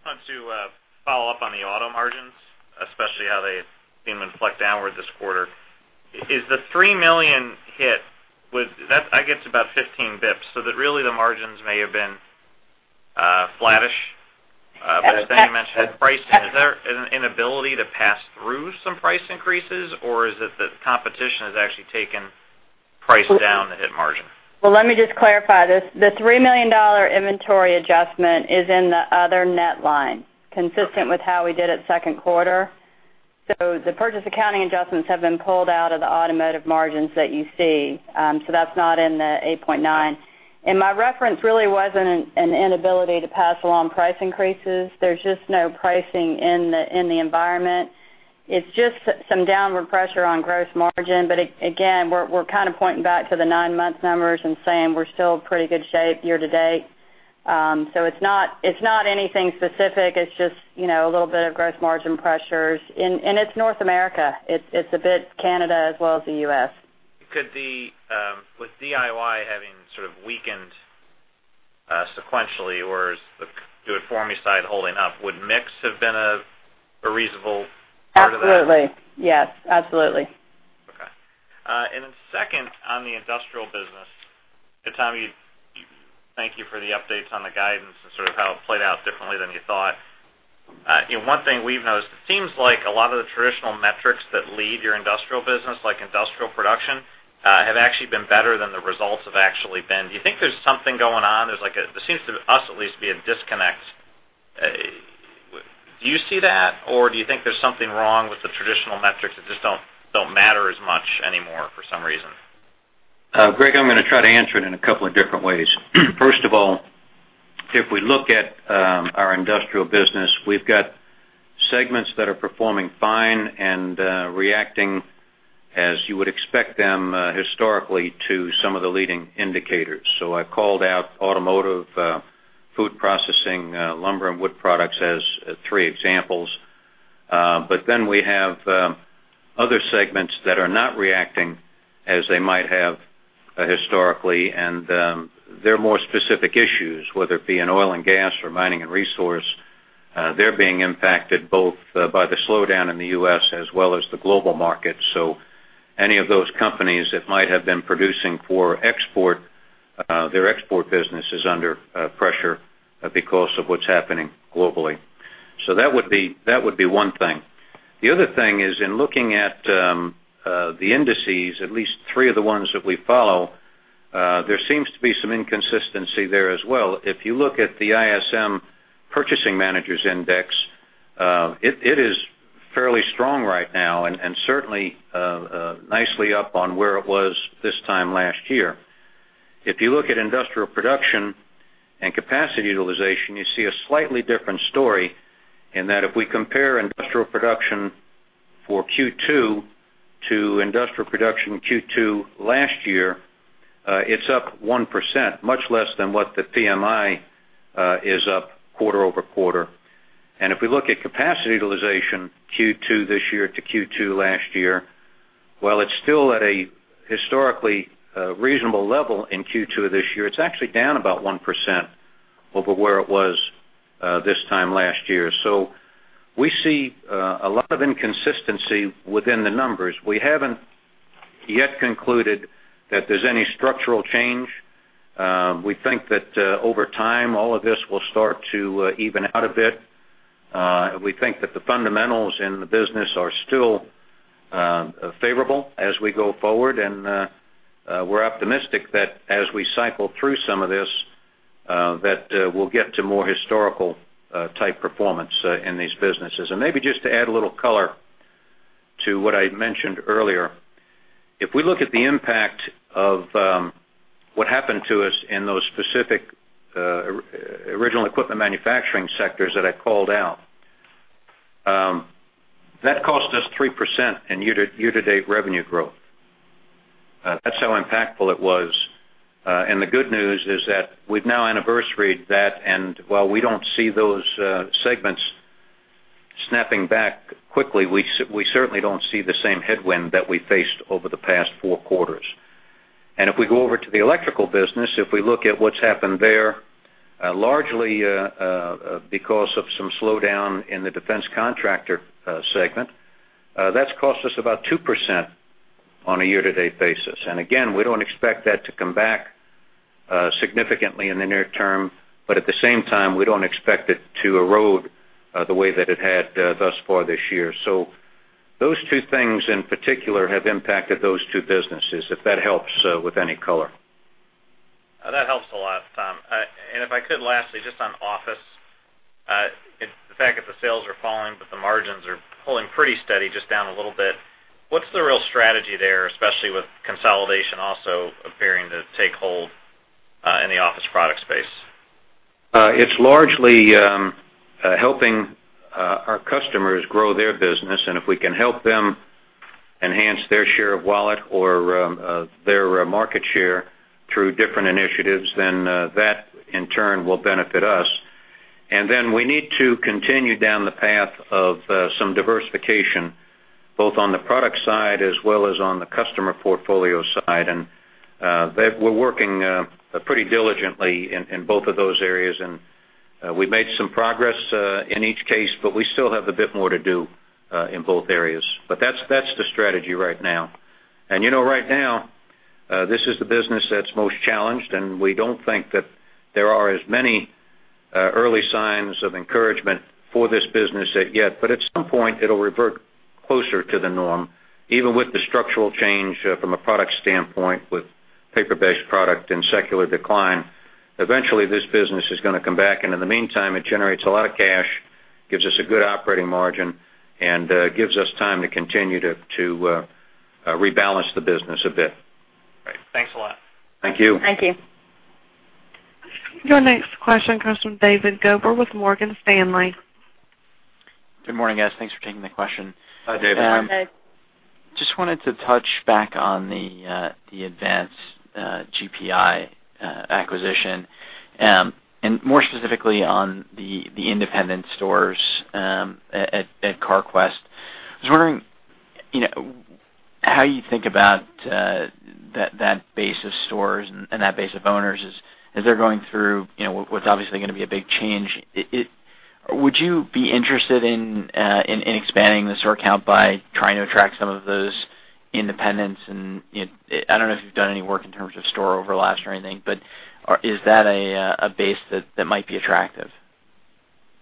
I want to follow up on the auto margins, especially how they seem to inflect downward this quarter. Is the $3 million hit, that gets about 15 basis points, so that really the margins may have been flattish. As Thomas mentioned, pricing, is there an inability to pass through some price increases, or is it that competition has actually taken price down to hit margin? Let me just clarify this. The $3 million inventory adjustment is in the other net line, consistent with how we did it second quarter. The purchase accounting adjustments have been pulled out of the automotive margins that you see. That's not in the 8.9. My reference really wasn't an inability to pass along price increases. There's just no pricing in the environment. It's just some downward pressure on gross margin. Again, we're kind of pointing back to the nine-month numbers and saying we're still in pretty good shape year to date. It's not anything specific. It's just a little bit of gross margin pressures. It's North America. It's a bit Canada as well as the U.S. With DIY having sort of weakened sequentially, or is the do it for me side holding up, would mix have been a reasonable part of that? Absolutely. Yes, absolutely. Second, on the industrial business, Tom, thank you for the updates on the guidance and sort of how it played out differently than you thought. One thing we've noticed, it seems like a lot of the traditional metrics that lead your industrial business, like industrial production, have actually been better than the results have actually been. Do you think there's something going on? There seems to us at least be a disconnect. Do you see that, or do you think there's something wrong with the traditional metrics that just don't matter as much anymore for some reason? Greg, I'm going to try to answer it in a couple of different ways. First of all, if we look at our industrial business, we've got segments that are performing fine and reacting as you would expect them historically to some of the leading indicators. I called out automotive, food processing, lumber and wood products as three examples. We have other segments that are not reacting as they might have historically, and there are more specific issues, whether it be in oil and gas or mining and resource. They're being impacted both by the slowdown in the U.S. as well as the global market. Any of those companies that might have been producing for export, their export business is under pressure because of what's happening globally. That would be one thing. The other thing is in looking at the indices, at least three of the ones that we follow, there seems to be some inconsistency there as well. If you look at the ISM Purchasing Managers Index, it is fairly strong right now and certainly nicely up on where it was this time last year. If you look at industrial production and capacity utilization, you see a slightly different story in that if we compare industrial production for Q2 to industrial production Q2 last year, it's up 1%, much less than what the PMI is up quarter-over-quarter. If we look at capacity utilization Q2 this year to Q2 last year, while it's still at a historically reasonable level in Q2 this year, it's actually down about 1% over where it was this time last year. We see a lot of inconsistency within the numbers. We haven't yet concluded that there's any structural change. We think that over time, all of this will start to even out a bit. We think that the fundamentals in the business are still favorable as we go forward, and we're optimistic that as we cycle through some of this, that we'll get to more historical type performance in these businesses. Maybe just to add a little color to what I mentioned earlier. If we look at the impact of what happened to us in those specific original equipment manufacturing sectors that I called out, that cost us 3% in year-to-date revenue growth. That's how impactful it was. The good news is that we've now anniversaried that, and while we don't see those segments snapping back quickly, we certainly don't see the same headwind that we faced over the past 4 quarters. If we go over to the electrical business, if we look at what's happened there. Largely because of some slowdown in the defense contractor segment, that's cost us about 2% on a year-to-date basis. Again, we don't expect that to come back significantly in the near term, but at the same time, we don't expect it to erode the way that it had thus far this year. Those two things in particular have impacted those two businesses, if that helps with any color. That helps a lot, Tom. If I could, lastly, just on Office, the fact that the sales are falling, but the margins are holding pretty steady, just down a little bit. What's the real strategy there, especially with consolidation also appearing to take hold in the office product space? It's largely helping our customers grow their business, if we can help them enhance their share of wallet or their market share through different initiatives, then that, in turn, will benefit us. Then we need to continue down the path of some diversification, both on the product side as well as on the customer portfolio side. We're working pretty diligently in both of those areas, we made some progress in each case, but we still have a bit more to do in both areas. That's the strategy right now. Right now, this is the business that's most challenged, we don't think that there are as many early signs of encouragement for this business yet. At some point, it'll revert closer to the norm, even with the structural change from a product standpoint, with paper-based product in secular decline. Eventually, this business is going to come back, in the meantime, it generates a lot of cash, gives us a good operating margin, gives us time to continue to rebalance the business a bit. Great. Thanks a lot. Thank you. Thank you. Your next question comes from David Guggina with Morgan Stanley. Good morning, guys. Thanks for taking the question. Hi, David. Hi. Just wanted to touch back on the Advance GPI acquisition, and more specifically on the independent stores at Carquest. I was wondering how you think about that base of stores and that base of owners as they're going through what's obviously going to be a big change. Would you be interested in expanding the store count by trying to attract some of those independents? I don't know if you've done any work in terms of store overlap or anything, but is that a base that might be attractive?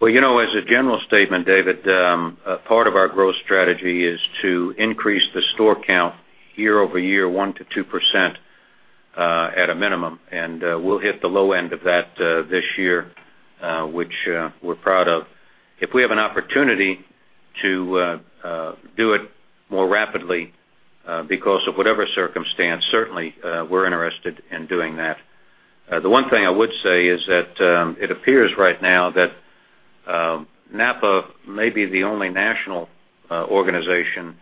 Well, as a general statement, David, part of our growth strategy is to increase the store count year-over-year 1%-2% at a minimum. We'll hit the low end of that this year, which we're proud of. If we have an opportunity to do it more rapidly because of whatever circumstance, certainly, we're interested in doing that. The one thing I would say is that it appears right now that NAPA may be the only national organization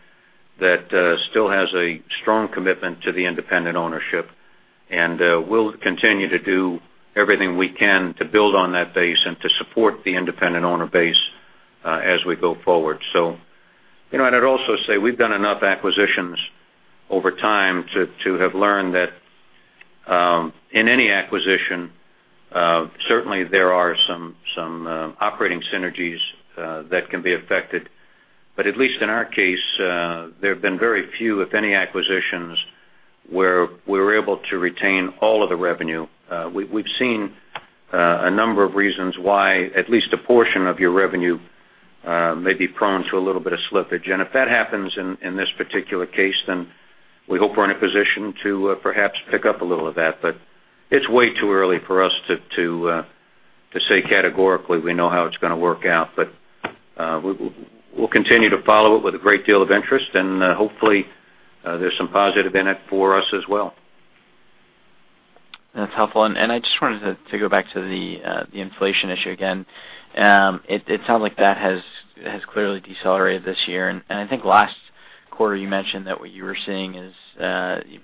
that still has a strong commitment to the independent ownership, and we'll continue to do everything we can to build on that base and to support the independent owner base as we go forward. I'd also say we've done enough acquisitions over time to have learned that in any acquisition, certainly there are some operating synergies that can be affected. At least in our case, there have been very few, if any, acquisitions where we were able to retain all of the revenue. We've seen a number of reasons why at least a portion of your revenue may be prone to a little bit of slippage. If that happens in this particular case, then we hope we're in a position to perhaps pick up a little of that. It's way too early for us to say categorically we know how it's going to work out. We'll continue to follow it with a great deal of interest, and hopefully, there's some positive in it for us as well. That's helpful. I just wanted to go back to the inflation issue again. It sounds like that has clearly decelerated this year. I think last quarter, you mentioned that what you were seeing is,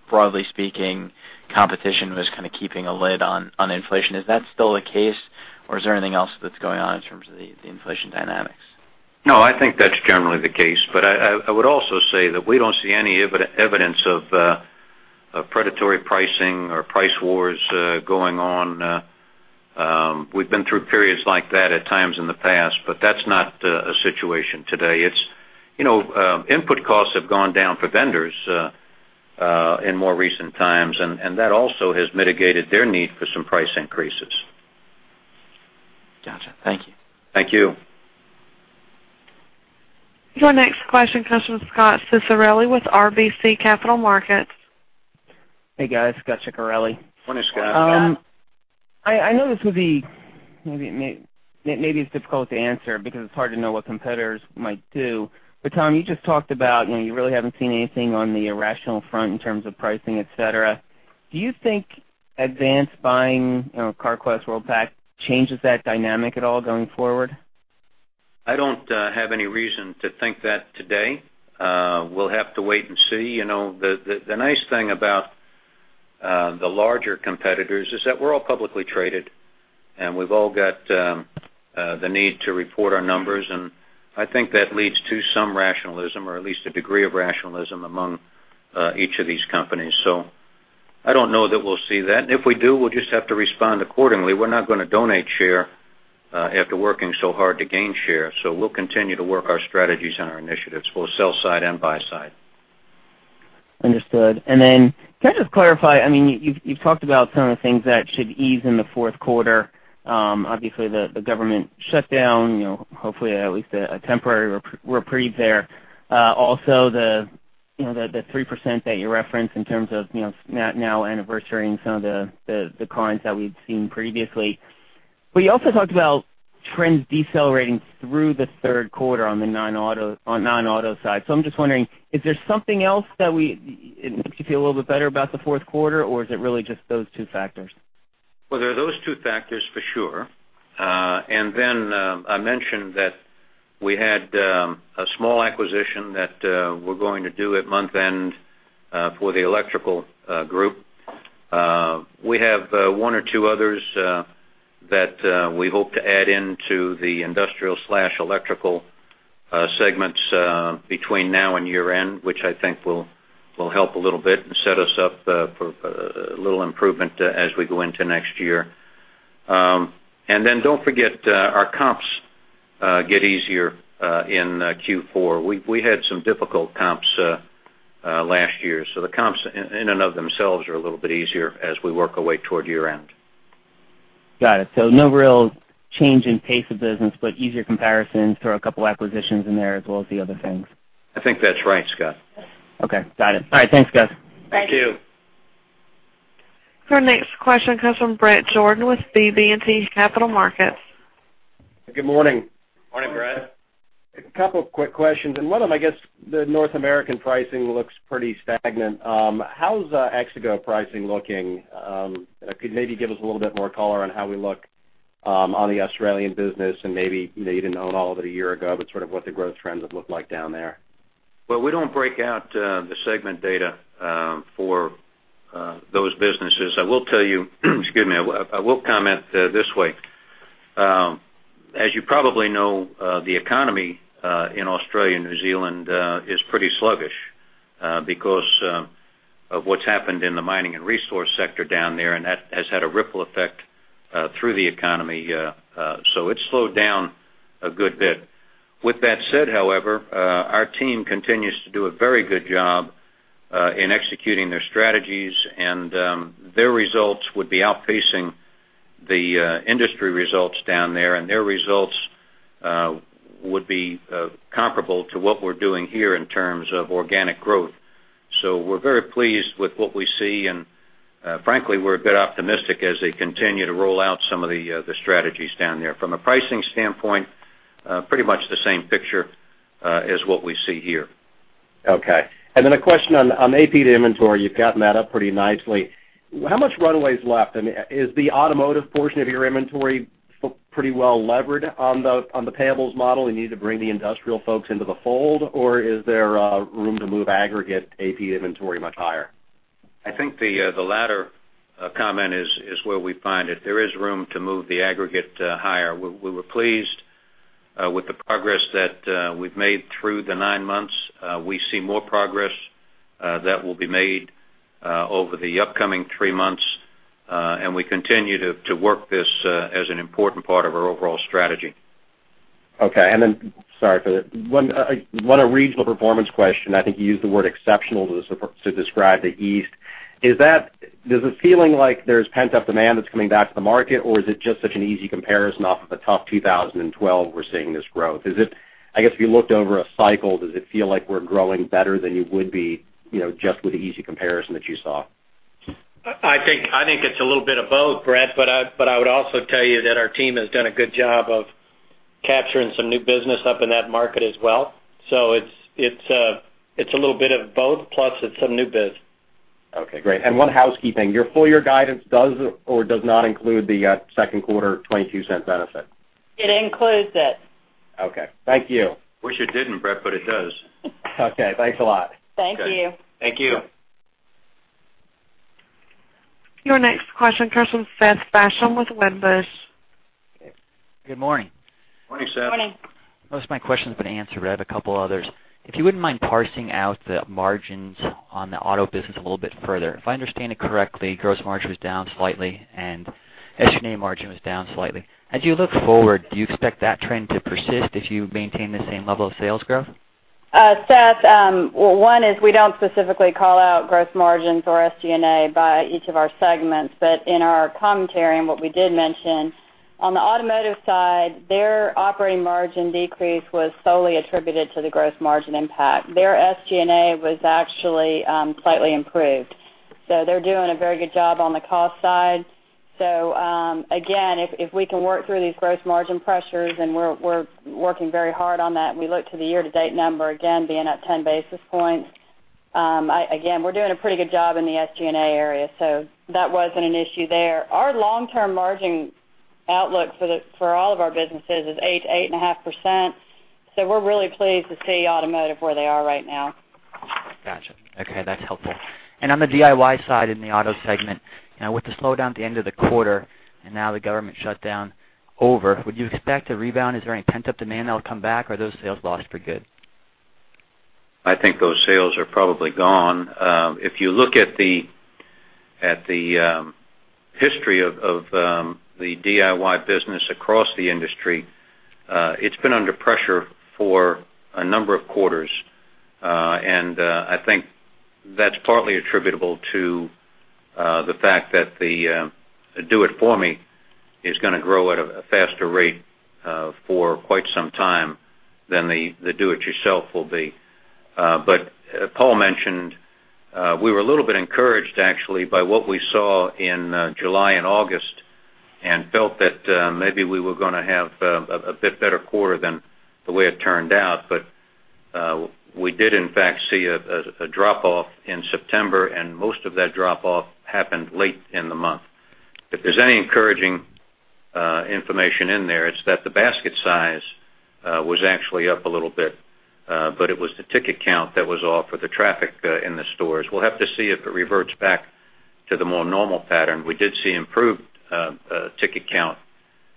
broadly speaking, competition was kind of keeping a lid on inflation. Is that still the case, or is there anything else that's going on in terms of the inflation dynamics? No, I think that's generally the case. I would also say that we don't see any evidence of predatory pricing or price wars going on. We've been through periods like that at times in the past, but that's not a situation today. Input costs have gone down for vendors in more recent times, that also has mitigated their need for some price increases. Gotcha. Thank you. Thank you. Your next question comes from Scot Ciccarelli with RBC Capital Markets. Hey, guys. Scot Ciccarelli. Morning, Scot. I know maybe it's difficult to answer because it's hard to know what competitors might do. Tom, you just talked about you really haven't seen anything on the irrational front in terms of pricing, et cetera. Do you think Advance buying Carquest/Worldpac changes that dynamic at all going forward? I don't have any reason to think that today. We'll have to wait and see. The nice thing about the larger competitors is that we're all publicly traded, and we've all got the need to report our numbers, and I think that leads to some rationalism, or at least a degree of rationalism, among each of these companies. I don't know that we'll see that. If we do, we'll just have to respond accordingly. We're not going to donate share after working so hard to gain share. We'll continue to work our strategies and our initiatives, both sell side and buy side. Understood. Can I just clarify, you've talked about some of the things that should ease in the fourth quarter. Obviously, the government shutdown, hopefully at least a temporary reprieve there. Also, the 3% that you referenced in terms of now anniversarying some of the declines that we'd seen previously. You also talked about trends decelerating through the third quarter on the non-auto side. I'm just wondering, is there something else that makes you feel a little bit better about the fourth quarter, or is it really just those two factors? Well, there are those two factors for sure. I mentioned that we had a small acquisition that we're going to do at month end for the electrical group. We have one or two others that we hope to add into the industrial/electrical segments between now and year end, which I think will help a little bit and set us up for a little improvement as we go into next year. Don't forget, our comps get easier in Q4. We had some difficult comps last year. The comps in and of themselves are a little bit easier as we work our way toward year end. Got it. No real change in pace of business, easier comparisons, throw a couple of acquisitions in there as well as the other things. I think that's right, Scot. Okay. Got it. All right. Thanks, guys. Thank you. Our next question comes from Bret Jordan with BB&T Capital Markets. Good morning. Morning, Bret. A couple of quick questions, and one of them, I guess the North American pricing looks pretty stagnant. How's Exego pricing looking? Could maybe give us a little bit more color on how we look on the Australian business and maybe you didn't own all of it a year ago, but sort of what the growth trends have looked like down there. Well, we don't break out the segment data for those businesses. I will tell you, excuse me, I will comment this way. As you probably know, the economy in Australia and New Zealand is pretty sluggish because of what's happened in the mining and resource sector down there, and that has had a ripple effect through the economy. It's slowed down a good bit. With that said, however, our team continues to do a very good job in executing their strategies, and their results would be outpacing the industry results down there, and their results would be comparable to what we're doing here in terms of organic growth. We're very pleased with what we see, and frankly, we're a bit optimistic as they continue to roll out some of the strategies down there. From a pricing standpoint, pretty much the same picture as what we see here. A question on AP to inventory. You've gotten that up pretty nicely. How much runway is left? Is the automotive portion of your inventory pretty well levered on the payables model, you need to bring the industrial folks into the fold, or is there room to move aggregate AP inventory much higher? I think the latter comment is where we find it. There is room to move the aggregate higher. We were pleased with the progress that we've made through the nine months. We see more progress that will be made over the upcoming three months, we continue to work this as an important part of our overall strategy. Sorry for that. One regional performance question. I think you used the word exceptional to describe the East. Does it feeling like there's pent-up demand that's coming back to the market, or is it just such an easy comparison off of a tough 2012 we're seeing this growth? I guess if you looked over a cycle, does it feel like we're growing better than you would be just with the easy comparison that you saw? I think it's a little bit of both, Bret, I would also tell you that our team has done a good job of capturing some new business up in that market as well. It's a little bit of both, plus it's some new biz. Okay, great. One housekeeping. Your full year guidance does or does not include the second quarter $0.22 benefit? It includes it. Okay. Thank you. Wish it didn't, Bret, but it does. Okay. Thanks a lot. Thank you. Thank you. Your next question comes from Seth Basham with Wedbush. Good morning. Morning, Seth. Morning. Most of my question's been answered. I have a couple others. If you wouldn't mind parsing out the margins on the auto business a little bit further. If I understand it correctly, gross margin was down slightly and SG&A margin was down slightly. As you look forward, do you expect that trend to persist if you maintain the same level of sales growth? Seth, one is, we don't specifically call out gross margins or SG&A by each of our segments. In our commentary and what we did mention, on the automotive side, their operating margin decrease was solely attributed to the gross margin impact. Their SG&A was actually slightly improved. They're doing a very good job on the cost side. Again, if we can work through these gross margin pressures, and we're working very hard on that, and we look to the year-to-date number, again, being up 10 basis points. Again, we're doing a pretty good job in the SG&A area, that wasn't an issue there. Our long-term margin outlook for all of our businesses is 8%-8.5%. We're really pleased to see automotive where they are right now. Gotcha. Okay, that's helpful. On the DIY side in the auto segment, with the slowdown at the end of the quarter and now the government shutdown over, would you expect a rebound? Is there any pent-up demand that'll come back, or are those sales lost for good? I think those sales are probably gone. If you look at the history of the DIY business across the industry, it's been under pressure for a number of quarters. I think that's partly attributable to the fact that the do it for me is going to grow at a faster rate for quite some time than the do it yourself will be. Paul mentioned we were a little bit encouraged, actually, by what we saw in July and August, and felt that maybe we were going to have a bit better quarter than the way it turned out. We did in fact see a drop off in September, and most of that drop off happened late in the month. If there's any encouraging information in there, it's that the basket size was actually up a little bit, but it was the ticket count that was off with the traffic in the stores. We'll have to see if it reverts back to the more normal pattern. We did see improved ticket count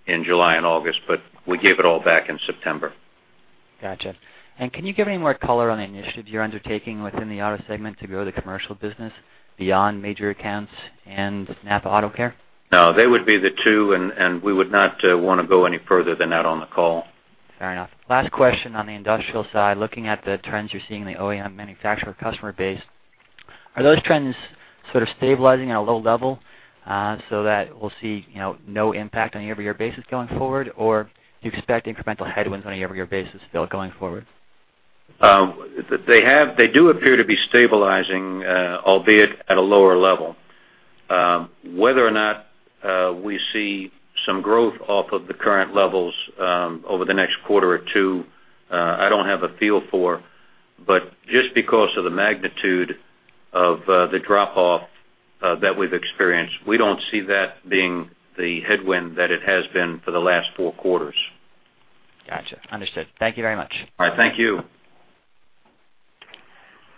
in July and August, but we gave it all back in September. Got you. Can you give any more color on the initiatives you're undertaking within the auto segment to grow the commercial business beyond major accounts and NAPA Auto Care? No, they would be the two. We would not want to go any further than that on the call. Fair enough. Last question on the industrial side, looking at the trends you're seeing in the OEM manufacturer customer base, are those trends sort of stabilizing at a low level so that we'll see no impact on a year-over-year basis going forward? Do you expect incremental headwinds on a year-over-year basis still going forward? They do appear to be stabilizing, albeit at a lower level. Whether or not we see some growth off of the current levels over the next quarter or two, I don't have a feel for, but just because of the magnitude of the drop off that we've experienced, we don't see that being the headwind that it has been for the last four quarters. Got you. Understood. Thank you very much. All right. Thank you.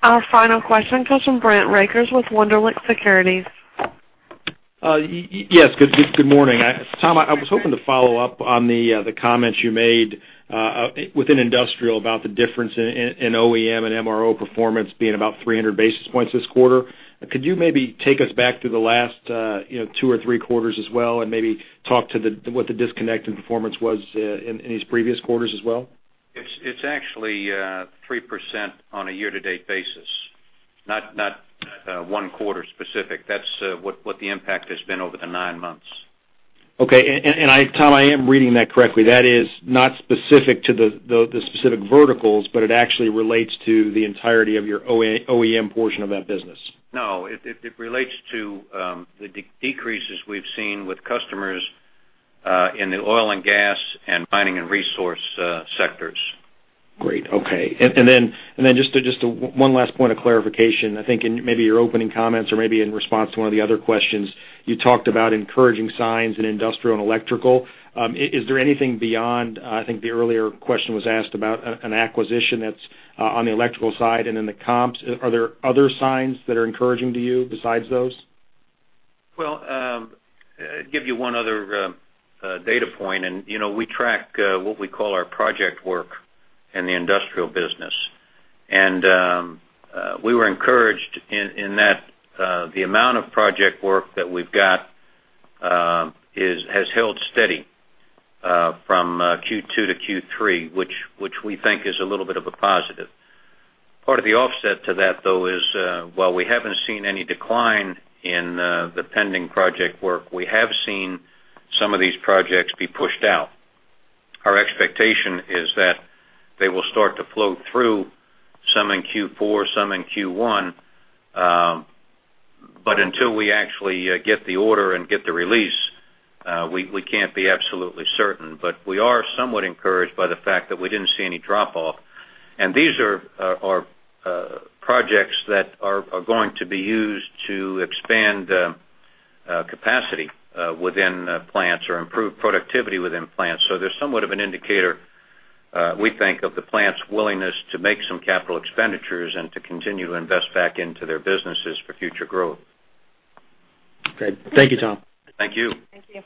Our final question comes from Brent Rakers with Wunderlich Securities. Yes, good morning. Tom, I was hoping to follow up on the comments you made within industrial about the difference in OEM and MRO performance being about 300 basis points this quarter. Could you maybe take us back to the last two or three quarters as well and maybe talk to what the disconnect in performance was in these previous quarters as well? It's actually 3% on a year-to-date basis, not one quarter specific. That's what the impact has been over the nine months. Okay. Tom, I am reading that correctly. That is not specific to the specific verticals, but it actually relates to the entirety of your OEM portion of that business. No, it relates to the decreases we've seen with customers in the oil and gas and mining and resource sectors. Great. Okay. Then just one last point of clarification. I think in maybe your opening comments or maybe in response to one of the other questions, you talked about encouraging signs in industrial and electrical. Is there anything beyond, I think the earlier question was asked about an acquisition that's on the electrical side and in the comps. Are there other signs that are encouraging to you besides those? Well, give you one other data point, we track what we call our project work in the industrial business. We were encouraged in that the amount of project work that we've got has held steady from Q2 to Q3, which we think is a little bit of a positive. Part of the offset to that, though, is while we haven't seen any decline in the pending project work, we have seen some of these projects be pushed out. Our expectation is that they will start to flow through, some in Q4, some in Q1. Until we actually get the order and get the release, we can't be absolutely certain. We are somewhat encouraged by the fact that we didn't see any drop off. These are projects that are going to be used to expand capacity within plants or improve productivity within plants. They're somewhat of an indicator, we think, of the plant's willingness to make some capital expenditures and to continue to invest back into their businesses for future growth. Great. Thank you, Tom. Thank you. Thank you.